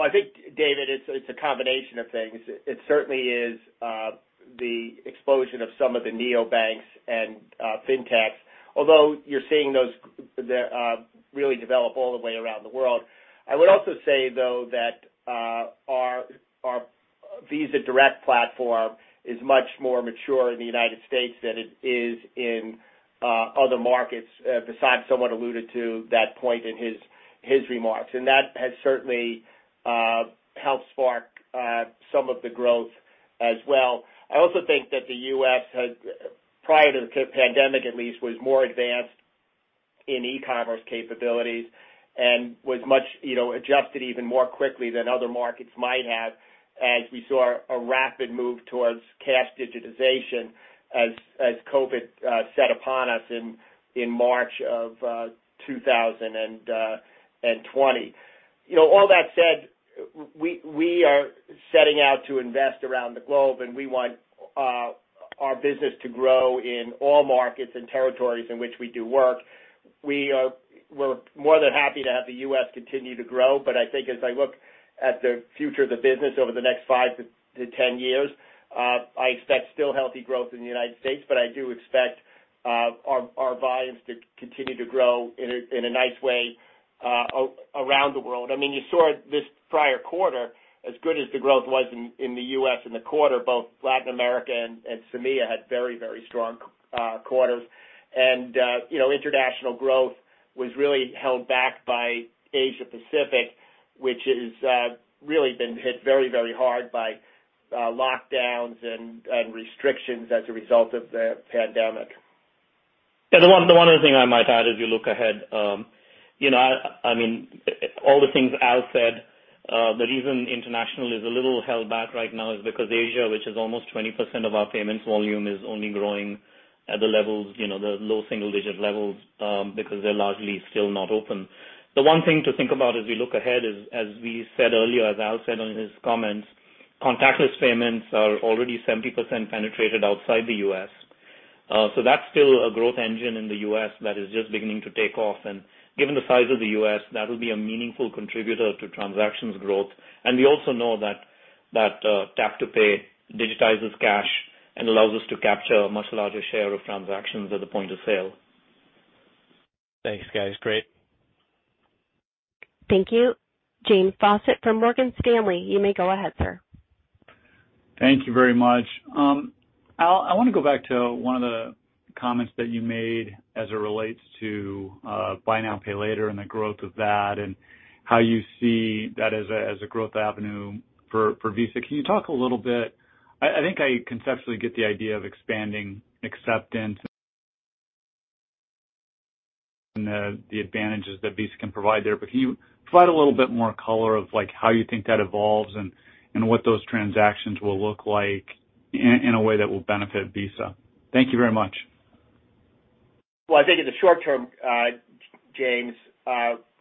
I think, David, it's a combination of things. It certainly is the explosion of some of the neobanks and fintechs, although you're seeing those really develop all the way around the world. I would also say, though, that our Visa Direct platform is much more mature in the United States than it is in other markets. Vasant somewhat alluded to that point in his remarks. That has certainly helped spark some of the growth as well. I also think that the U.S. has, prior to the pandemic at least, was more advanced in e-commerce capabilities and was much, you know, adjusted even more quickly than other markets might have as we saw a rapid move towards cash digitization as COVID set upon us in March of 2020. You know, all that said, we are setting out to invest around the globe, and we want our business to grow in all markets and territories in which we do work. We're more than happy to have the U.S. continue to grow. I think as I look at the future of the business over the next 5-10 years, I expect still healthy growth in the United States, but I do expect our volumes to continue to grow in a nice way around the world. I mean, you saw this prior quarter, as good as the growth was in the U.S. in the quarter, both Latin America and MEA had very strong quarters. You know, international growth was really held back by Asia-Pacific, which is really been hit very, very hard by lockdowns and restrictions as a result of the pandemic. Yeah. The one other thing I might add as we look ahead, you know, I mean, all the things Al said, the reason international is a little held back right now is because Asia, which is almost 20% of our payments volume, is only growing at the levels, you know, the low single digit levels, because they're largely still not open. The one thing to think about as we look ahead is, as we said earlier, as Al said on his comments, contactless payments are already 70% penetrated outside the U.S. So that's still a growth engine in the U.S. that is just beginning to take off. Given the size of the U.S., that'll be a meaningful contributor to transactions growth. We also know that Tap to Pay digitizes cash and allows us to capture a much larger share of transactions at the point-of-sale. Thanks, guys. Great. Thank you. James Faucette from Morgan Stanley. You may go ahead, sir. Thank you very much. Al, I wanna go back to one of the comments that you made as it relates to Buy Now Pay Later and the growth of that and how you see that as a growth avenue for Visa. Can you talk a little bit? I think I conceptually get the idea of expanding acceptance and the advantages that Visa can provide there, but can you provide a little bit more color of like how you think that evolves and what those transactions will look like in a way that will benefit Visa? Thank you very much. Well, I think in the short term, James,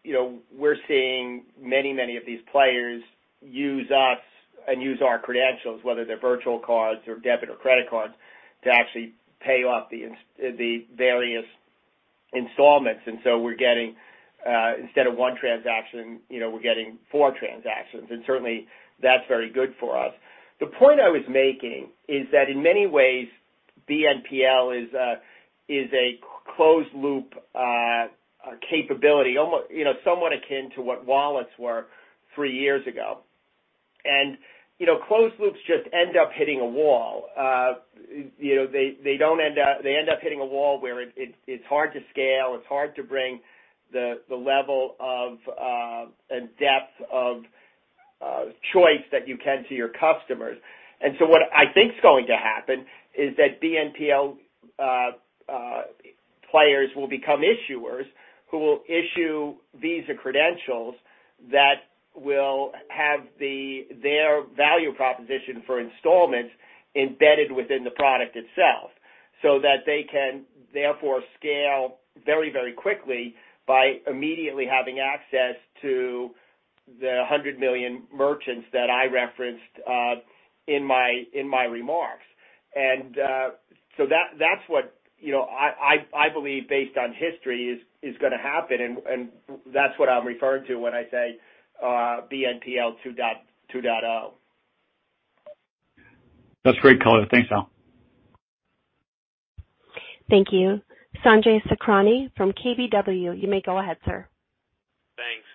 you know, we're seeing many of these players use us and use our credentials, whether they're virtual cards or debit or credit cards, to actually pay off the various-Installments. We're getting, instead of one transaction, you know, we're getting four transactions. Certainly, that's very good for us. The point I was making is that in many ways, BNPL is a closed loop capability, almost you know, somewhat akin to what wallets were three years ago. You know, closed loops just end up hitting a wall. You know, they end up hitting a wall where it's hard to scale, it's hard to bring the level of and depth of choice that you can to your customers. What I think is going to happen is that BNPL players will become issuers who will issue Visa credentials that will have their value proposition for installments embedded within the product itself, so that they can therefore scale very, very quickly by immediately having access to the 100 million merchants that I referenced in my remarks. That's what, you know, I believe, based on history, is gonna happen. That's what I'm referring to when I say BNPL 2.0. That's great color. Thanks, Al. Thank you. Sanjay Sakhrani from KBW. You may go ahead, sir. Thanks.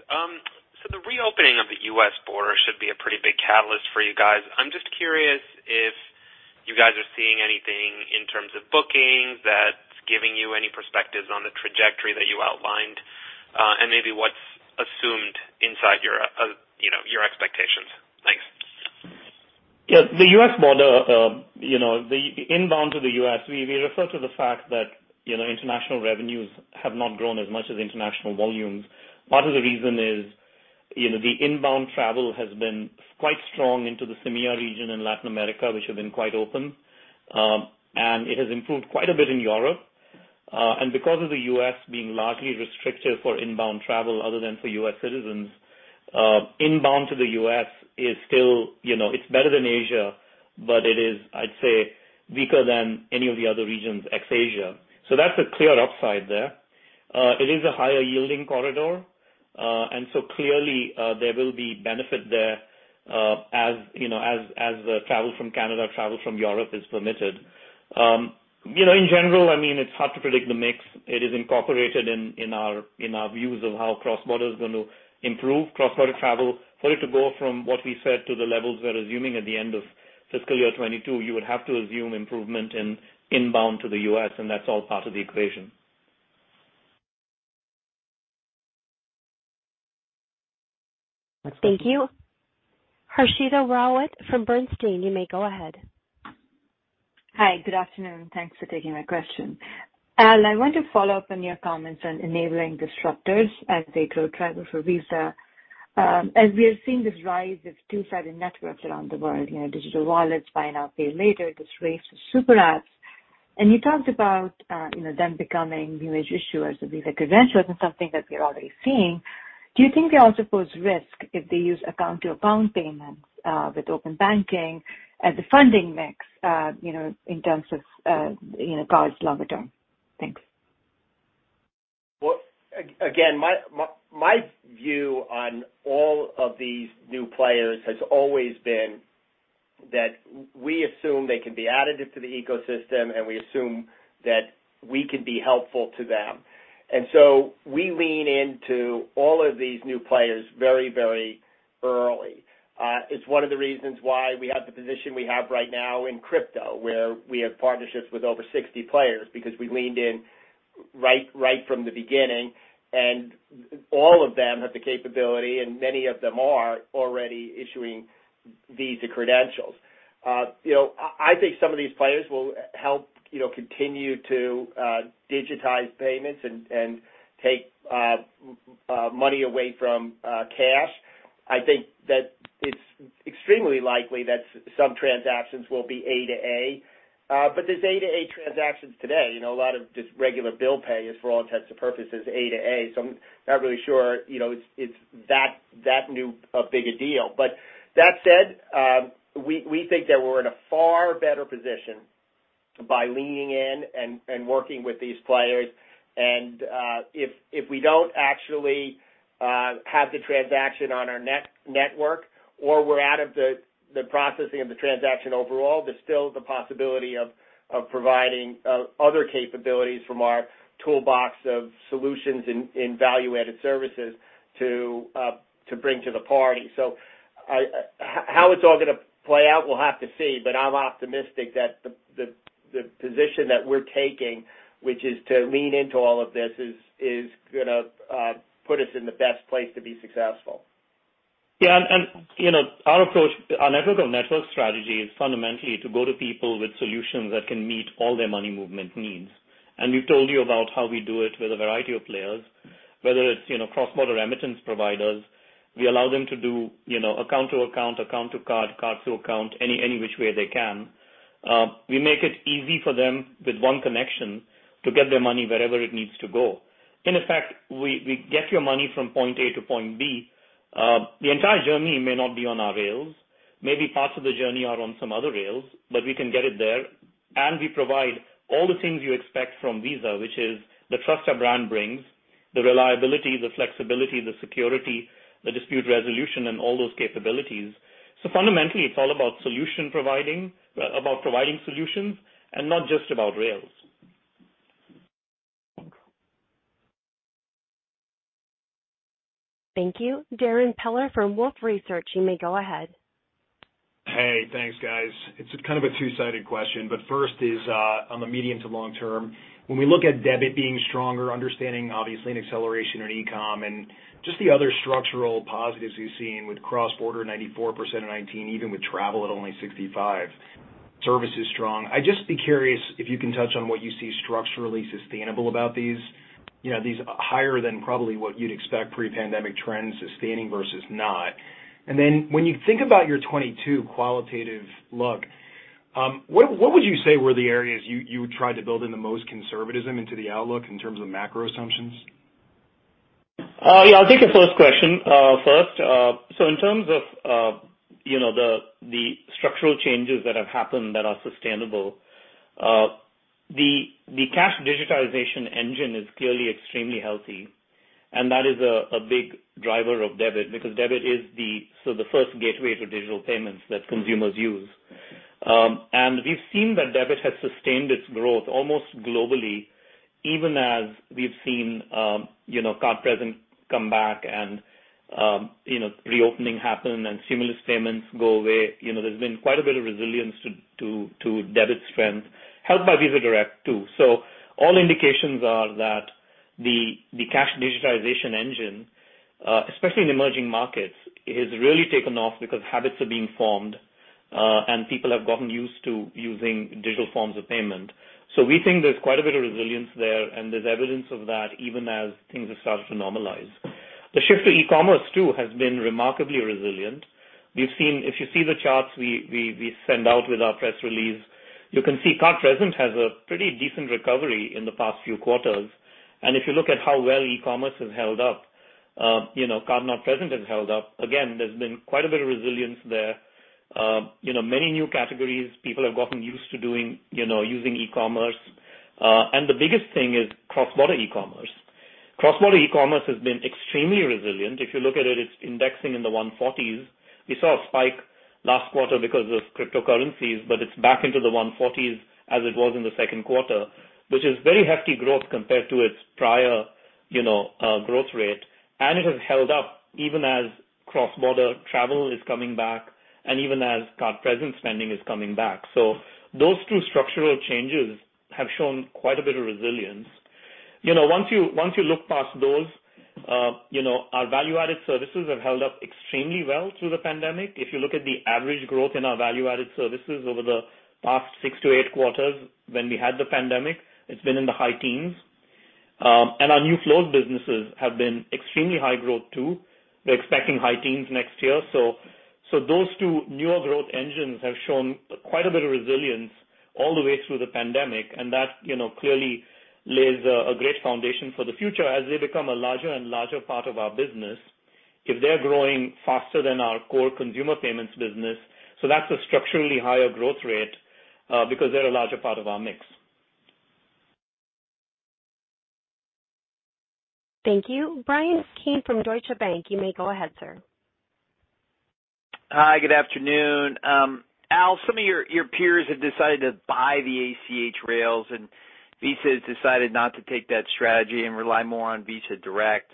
The reopening of the U.S. border should be a pretty big catalyst for you guys. I'm just curious if you guys are seeing anything in terms of bookings that's giving you any perspectives on the trajectory that you outlined, and maybe what's assumed inside your, you know, your expectations. Thanks. Yeah. The U.S. border, you know, the inbound to the U.S., we refer to the fact that, you know, international revenues have not grown as much as international volumes. Part of the reason is, you know, the inbound travel has been quite strong into the CEMEA region and Latin America, which have been quite open. It has improved quite a bit in Europe. Because of the U.S. being largely restrictive for inbound travel other than for U.S. citizens, inbound to the U.S. is still, you know, it's better than Asia, but it is, I'd say, weaker than any of the other regions, ex-Asia. That's a clear upside there. It is a higher-yielding corridor. Clearly, there will be benefit there, as you know, as travel from Canada, travel from Europe is permitted. You know, in general, I mean, it's hard to predict the mix. It is incorporated in our views of how cross-border is going to improve cross-border travel. For it to go from what we said to the levels we're assuming at the end of fiscal year 2022, you would have to assume improvement in inbound to the U.S., and that's all part of the equation. Thank you. Harshita Rawat from Bernstein, you may go ahead. Hi, good afternoon. Thanks for taking my question. Al, I want to follow up on your comments on enabling disruptors as they grow travel for Visa. As we are seeing this rise of two-sided networks around the world, you know, digital wallets, Buy Now Pay Later, this race to super apps. You talked about, you know, them becoming new age issuers of Visa credentials and something that we're already seeing. Do you think they also pose risk if they use account-to-account payments with open banking and the funding mix, you know, in terms of cards longer term? Thanks. Well, again, my view on all of these new players has always been that we assume they can be additive to the ecosystem, and we assume that we can be helpful to them. We lean into all of these new players very, very early. It's one of the reasons why we have the position we have right now in crypto, where we have partnerships with over 60 players because we leaned in right from the beginning. All of them have the capability, and many of them are already issuing Visa credentials. You know, I think some of these players will help, you know, continue to digitize payments and take money away from cash. I think that it's extremely likely that some transactions will be A2A. There's A2A transactions today. You know, a lot of just regular bill pay is for all intents and purposes, A2A. I'm not really sure, you know, it's not that big of a deal. We think that we're in a far better position by leaning in and working with these players. If we don't actually have the transaction on our network or we're out of the processing of the transaction overall, there's still the possibility of providing other capabilities from our toolbox of solutions in value-added services to bring to the party. How it's all gonna play out, we'll have to see. I'm optimistic that the position that we're taking, which is to lean into all of this, is gonna put us in the best place to be successful. Yeah. You know, our approach, our network of networks strategy is fundamentally to go to people with solutions that can meet all their money movement needs. We've told you about how we do it with a variety of players, whether it's, you know, cross-border remittance providers. We allow them to do, you know, account to account to card to account, any which way they can. We make it easy for them with one connection to get their money wherever it needs to go. In effect, we get your money from point A to point B. The entire journey may not be on our rails. Maybe parts of the journey are on some other rails, but we can get it there, and we provide all the things you expect from Visa, which is the trust our brand brings, the reliability, the flexibility, the security, the dispute resolution, and all those capabilities. Fundamentally, it's all about providing solutions and not just about rails. Thank you. Darrin Peller from Wolfe Research, you may go ahead. Hey, thanks, guys. It's kind of a two-sided question, but first is on the medium to long term, when we look at debit being stronger, understanding obviously an acceleration in e-com and just the other structural positives we've seen with cross-border 94% in 2019, even with travel at only 65%. Services is strong. I'd just be curious if you can touch on what you see structurally sustainable about these, you know, these higher than probably what you'd expect pre-pandemic trends sustaining versus not. When you think about your 2022 qualitative look, what would you say were the areas you would try to build in the most conservatism into the outlook in terms of macro assumptions? Yeah, I'll take the first question, first. In terms of, you know, the structural changes that have happened that are sustainable, the cash digitization engine is clearly extremely healthy, and that is a big driver of debit because debit is the first gateway to digital payments that consumers use. We've seen that debit has sustained its growth almost globally, even as we've seen, you know, card present come back and, you know, reopening happen and stimulus payments go away. You know, there's been quite a bit of resilience to debit strength, helped by Visa Direct too. All indications are that the cash digitization engine, especially in emerging markets, has really taken off because habits are being formed, and people have gotten used to using digital forms of payment. We think there's quite a bit of resilience there, and there's evidence of that even as things have started to normalize. The shift to e-commerce too has been remarkably resilient. We've seen. If you see the charts we send out with our press release, you can see card present has a pretty decent recovery in the past few quarters. If you look at how well e-commerce has held up, you know, card-not-present has held up. Again, there's been quite a bit of resilience there. You know, many new categories people have gotten used to doing, you know, using e-commerce. The biggest thing is cross-border e-commerce. Cross-border e-commerce has been extremely resilient. If you look at it's indexing in the 140s. We saw a spike last quarter because of cryptocurrencies, but it's back into the 140s as it was in the second quarter, which is very hefty growth compared to its prior, you know, growth rate. It has held up even as cross-border travel is coming back and even as card present spending is coming back. Those two structural changes have shown quite a bit of resilience. You know, once you look past those, you know, our value-added services have held up extremely well through the pandemic. If you look at the average growth in our value-added services over the past 6-8 quarters when we had the pandemic, it's been in the high teens. Our new flows businesses have been extremely high growth too. We're expecting high teens next year. Those two newer growth engines have shown quite a bit of resilience all the way through the pandemic, and that, you know, clearly lays a great foundation for the future as they become a larger and larger part of our business if they're growing faster than our core consumer payments business. That's a structurally higher growth rate, because they're a larger part of our mix. Thank you. Bryan Keane from Deutsche Bank. You may go ahead, sir. Hi, good afternoon. Al, some of your peers have decided to buy the ACH rails, and Visa has decided not to take that strategy and rely more on Visa Direct.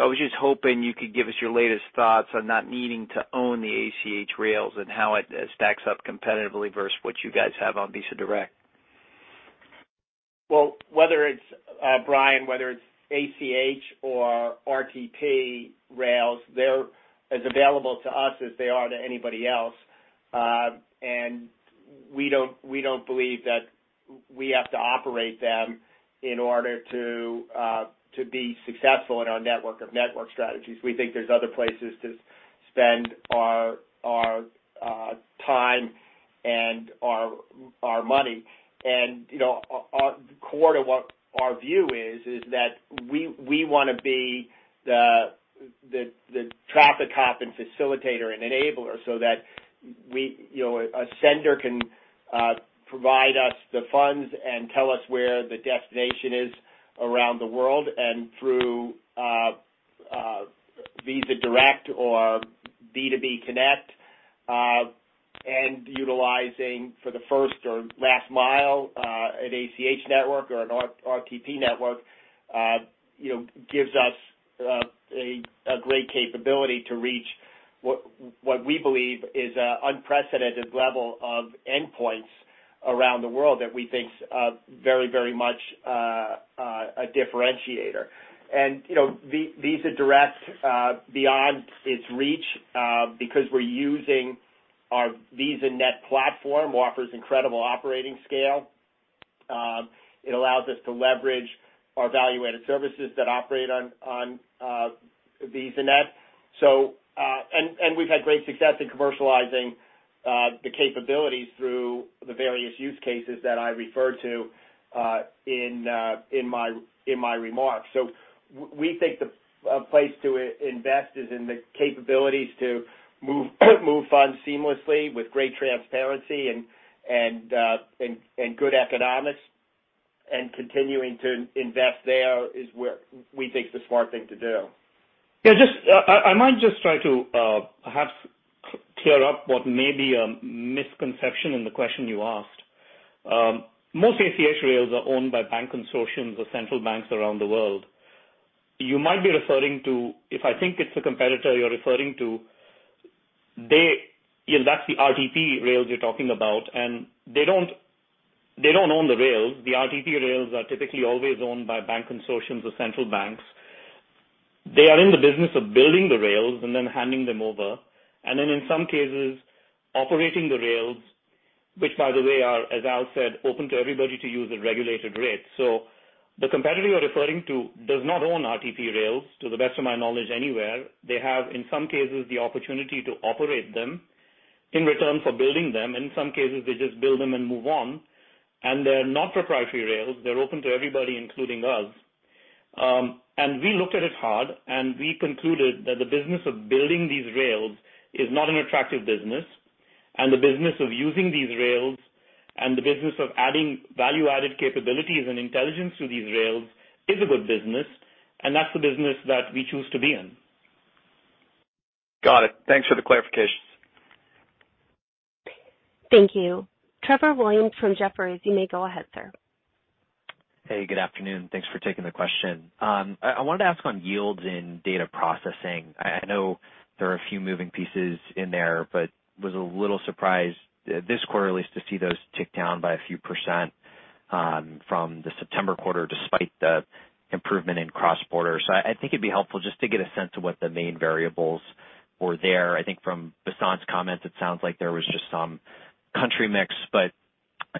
I was just hoping you could give us your latest thoughts on not needing to own the ACH rails and how it stacks up competitively versus what you guys have on Visa Direct. Well, whether it's Bryan, whether it's ACH or RTP rails, they're as available to us as they are to anybody else. We don't believe that we have to operate them in order to be successful in our network of networks strategies. We think there's other places to spend our time and our money. You know, our core to what our view is that we wanna be the traffic cop and facilitator and enabler so that we you know, a sender can provide us the funds and tell us where the destination is around the world and through Visa Direct or B2B Connect and utilizing for the first or last mile an ACH network or an RTP network you know, gives us a great capability to reach what we believe is an unprecedented level of endpoints around the world that we think is very much a differentiator. You know, Visa Direct beyond its reach because we're using our VisaNet platform offers incredible operating scale. It allows us to leverage our value-added services that operate on VisaNet. We've had great success in commercializing the capabilities through the various use cases that I referred to in my remarks. We think a place to invest is in the capabilities to move funds seamlessly with great transparency and good economics. Continuing to invest there is where we think the smart thing to do. Yeah, I might just try to perhaps clear up what may be a misconception in the question you asked. Most ACH rails are owned by bank consortiums or central banks around the world. You might be referring to a competitor. If I think it's a competitor you're referring to, yeah, that's the RTP rails you're talking about, and they don't own the rails. The RTP rails are typically always owned by bank consortiums or central banks. They are in the business of building the rails and then handing them over. Then in some cases, operating the rails, which by the way are, as Al said, open to everybody to use at regulated rates. The competitor you're referring to does not own RTP rails, to the best of my knowledge, anywhere. They have, in some cases, the opportunity to operate them in return for building them. In some cases, they just build them and move on. They're not proprietary rails. They're open to everybody, including us. We looked at it hard, and we concluded that the business of building these rails is not an attractive business. The business of using these rails and the business of adding value-added capabilities and intelligence to these rails is a good business, and that's the business that we choose to be in. Got it. Thanks for the clarifications. Thank you. Trevor Williams from Jefferies, you may go ahead, sir. Hey, good afternoon. Thanks for taking the question. I wanted to ask on yields in data processing. I know there are a few moving pieces in there, but was a little surprised this quarter at least to see those tick down by a few percent from the September quarter despite the improvement in cross-border. I think it'd be helpful just to get a sense of what the main variables were there. I think from Vasant's comments, it sounds like there was just some country mix.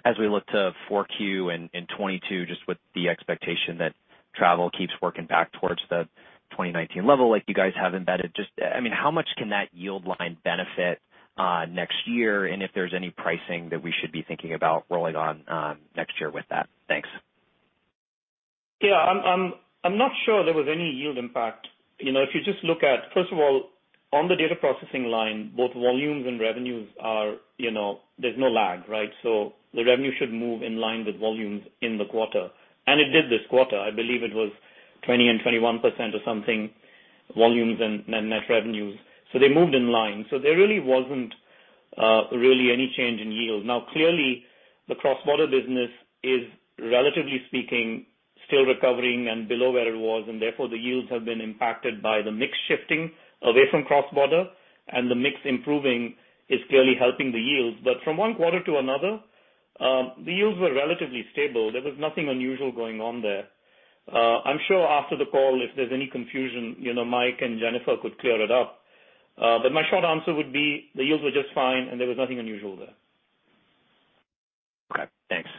As we look to Q4 in 2022, just with the expectation that travel keeps working back towards the 2019 level like you guys have embedded, just, I mean, how much can that yield line benefit next year, and if there's any pricing that we should be thinking about rolling on next year with that? Thanks. Yeah. I'm not sure there was any yield impact. You know, if you just look at, first of all, on the data processing line, both volumes and revenues are, you know, there's no lag, right? So the revenue should move in line with volumes in the quarter, and it did this quarter. I believe it was 20% and 21% or something, volumes and net revenues. So they moved in line. So there really wasn't really any change in yield. Now, clearly, the cross-border business is, relatively speaking, still recovering and below where it was, and therefore, the yields have been impacted by the mix shifting away from cross-border, and the mix improving is clearly helping the yields. But from one quarter to another, the yields were relatively stable. There was nothing unusual going on there. I'm sure after the call, if there's any confusion, you know, Mike and Jennifer could clear it up. My short answer would be the yields were just fine, and there was nothing unusual there. Okay, thanks.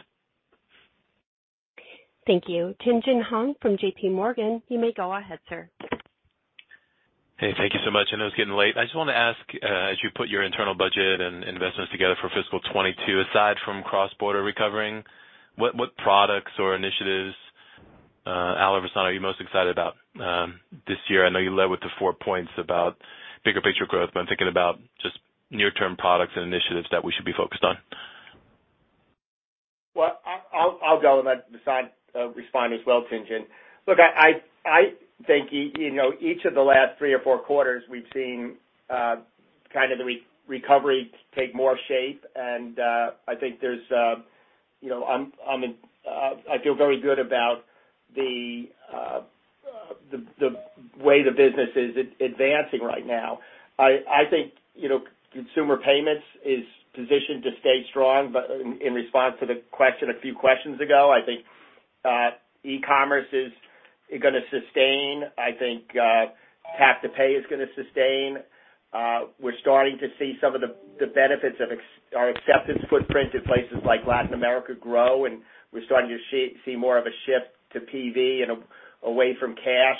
Thank you. Tien-Tsin Huang from JPMorgan, you may go ahead, sir. Hey, thank you so much. I know it's getting late. I just want to ask, as you put your internal budget and investments together for fiscal 2022, aside from cross-border recovering, what products or initiatives, Al or Vasant, are you most excited about this year? I know you led with the four points about bigger picture growth, but I'm thinking about just near-term products and initiatives that we should be focused on. Well, I'll go and let Vasant respond as well, Tien-Tsin. Look, I think you know, each of the last three or four quarters we've seen kind of the recovery take more shape. I think there's you know, I feel very good about the way the business is advancing right now. I think you know, consumer payments is positioned to stay strong. In response to the question a few questions ago, I think e-commerce is gonna sustain. I think Tap to Pay is gonna sustain. We're starting to see some of the benefits of our acceptance footprint in places like Latin America grow, and we're starting to see more of a shift to PV and away from cash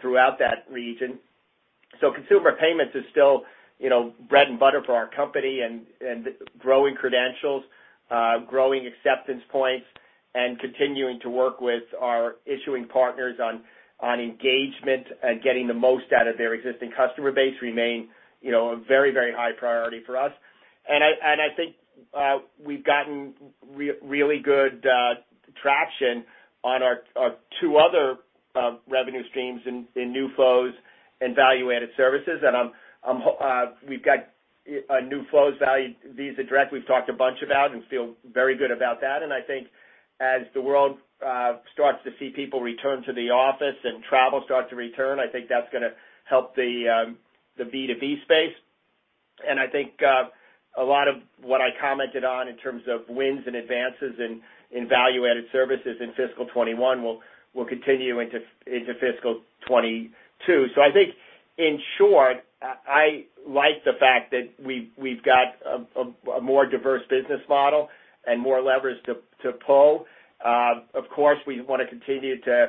throughout that region. Consumer payments is still, you know, bread and butter for our company, and growing credentials, growing acceptance points, and continuing to work with our issuing partners on engagement and getting the most out of their existing customer base remain, you know, a very high priority for us. I think we've gotten really good traction on our two other revenue streams in new flows and value-added services. Visa Direct, we've talked a bunch about and feel very good about that. I think as the world starts to see people return to the office and travel start to return, I think that's gonna help the B2B space. I think a lot of what I commented on in terms of wins and advances in value-added services in fiscal 2021 will continue into fiscal 2022. I think in short, I like the fact that we've got a more diverse business model and more levers to pull. Of course, we want to continue to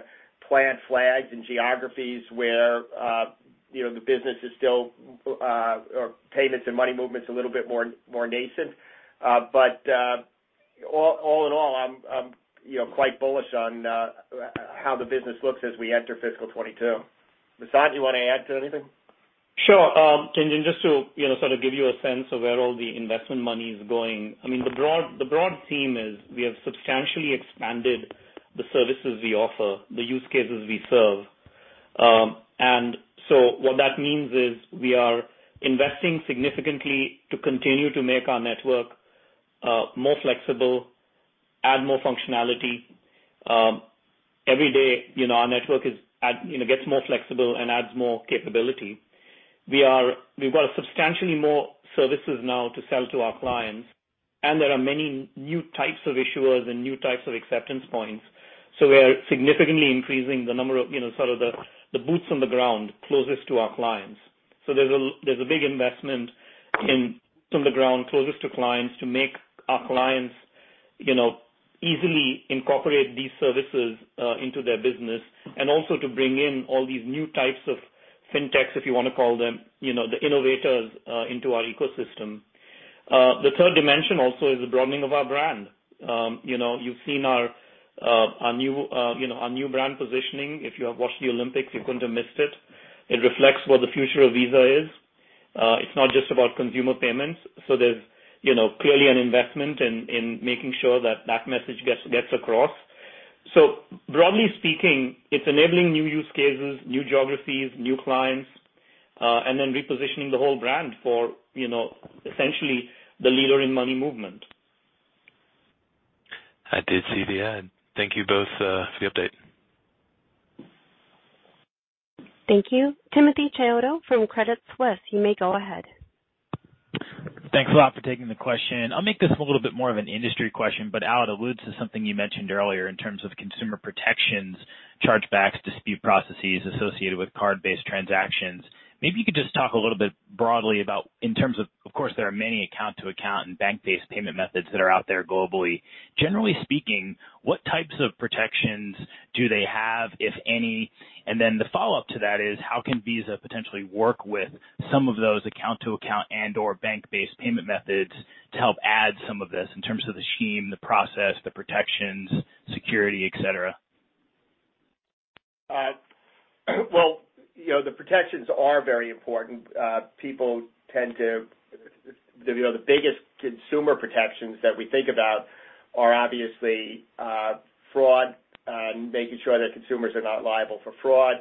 plant flags in geographies where you know the business is still our payments and money movement's a little bit more nascent. But all in all, I'm you know quite bullish on how the business looks as we enter fiscal 2022. Vasant, you want to add to anything? Sure. Just to, you know, sort of give you a sense of where all the investment money is going. I mean, the broad theme is we have substantially expanded the services we offer, the use cases we serve. What that means is we are investing significantly to continue to make our network more flexible, add more functionality. Every day, you know, our network gets more flexible and adds more capability. We've got substantially more services now to sell to our clients, and there are many new types of issuers and new types of acceptance points. We are significantly increasing the number of, you know, sort of the boots on the ground closest to our clients. There's a big investment from the ground up closest to clients to make our clients, you know, easily incorporate these services into their business and also to bring in all these new types of fintechs, if you wanna call them, you know, the innovators into our ecosystem. The third dimension also is the broadening of our brand. You know, you've seen our new brand positioning. If you have watched the Olympics, you couldn't have missed it. It reflects what the future of Visa is. It's not just about consumer payments. There's, you know, clearly an investment in making sure that that message gets across. Broadly speaking, it's enabling new use cases, new geographies, new clients and then repositioning the whole brand for, you know, essentially the leader in money movement. I did see the ad. Thank you both for the update. Thank you. Timothy Chiodo from Credit Suisse, you may go ahead. Thanks a lot for taking the question. I'll make this a little bit more of an industry question, but Al, it alludes to something you mentioned earlier in terms of consumer protections, chargebacks, dispute processes associated with card-based transactions. Maybe you could just talk a little bit broadly about in terms of course, there are many account-to-account and bank-based payment methods that are out there globally. Generally speaking, what types of protections do they have, if any? And then the follow-up to that is, how can Visa potentially work with some of those account-to-account and/or bank-based payment methods to help add some of this in terms of the scheme, the process, the protections, security, et cetera? Well, you know, the protections are very important. People tend to, you know, the biggest consumer protections that we think about are obviously fraud, making sure that consumers are not liable for fraud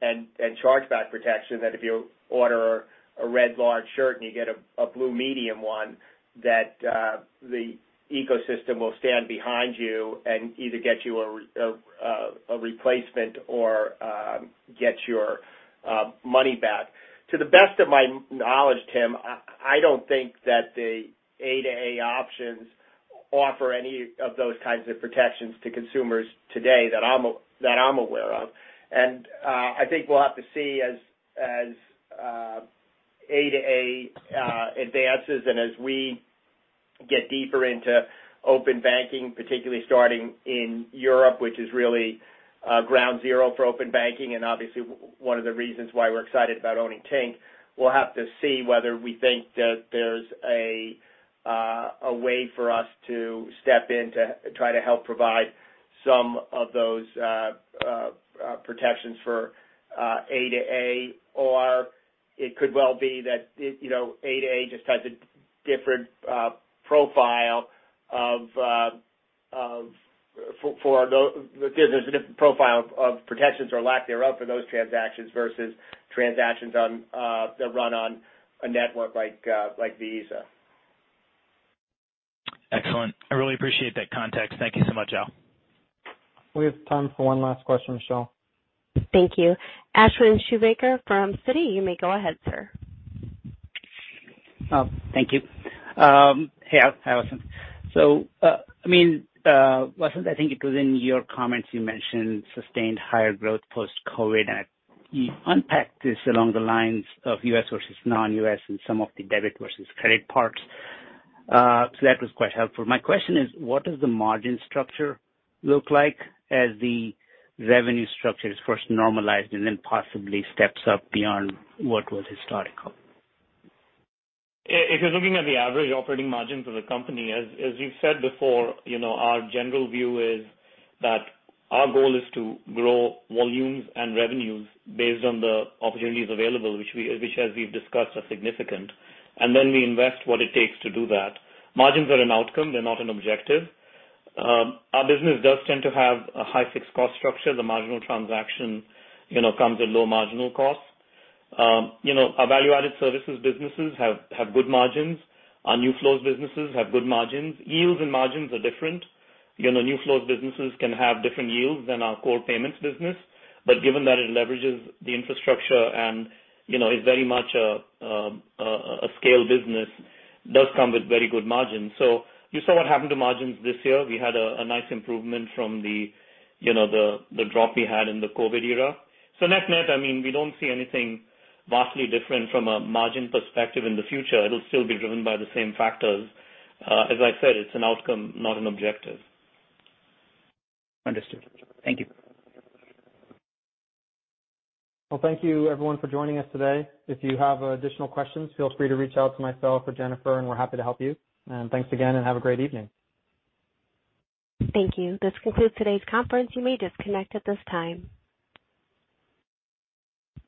and chargeback protection, that if you order a red large shirt and you get a blue medium one, that the ecosystem will stand behind you and either get you a replacement or get your money back. To the best of my knowledge, Tim, I don't think that the A2A options offer any of those kinds of protections to consumers today that I'm aware of. I think we'll have to see as A2A advances and as we get deeper into open banking, particularly starting in Europe, which is really ground zero for open banking, and obviously one of the reasons why we're excited about owning Tink. We'll have to see whether we think that there's a way for us to step in to try to help provide some of those protections for A2A. It could well be that, you know, A2A just has a different profile of protections or lack thereof for those transactions versus transactions that run on a network like Visa. Excellent. I really appreciate that context. Thank you so much, Al. We have time for one last question, Michelle. Thank you. Ashwin Shirvaikar from Citi. You may go ahead, sir. Thank you. Hey, Al. Hi, Vasant. I mean, Vasant, I think it was in your comments you mentioned sustained higher growth post-COVID. You unpacked this along the lines of U.S. versus non-U.S. and some of the debit versus credit parts. That was quite helpful. My question is, what does the margin structure look like as the revenue structure is first normalized and then possibly steps up beyond what was historical? If you're looking at the average operating margins of the company, as we've said before, you know, our general view is that our goal is to grow volumes and revenues based on the opportunities available, which as we've discussed, are significant. We invest what it takes to do that. Margins are an outcome, they're not an objective. Our business does tend to have a high fixed cost structure. The marginal transaction, you know, comes at low marginal cost. You know, our value-added services businesses have good margins. Our new flows businesses have good margins. Yields and margins are different. You know, new flows businesses can have different yields than our core payments business, but given that it leverages the infrastructure and, you know, is very much a scaled business, does come with very good margins. You saw what happened to margins this year. We had a nice improvement from the drop we had in the COVID era. Net-net, I mean, we don't see anything vastly different from a margin perspective in the future. It'll still be driven by the same factors. As I said, it's an outcome, not an objective. Understood. Thank you. Well, thank you everyone for joining us today. If you have additional questions, feel free to reach out to myself or Jennifer, and we're happy to help you. Thanks again, and have a great evening. Thank you. This concludes today's conference. You may disconnect at this time.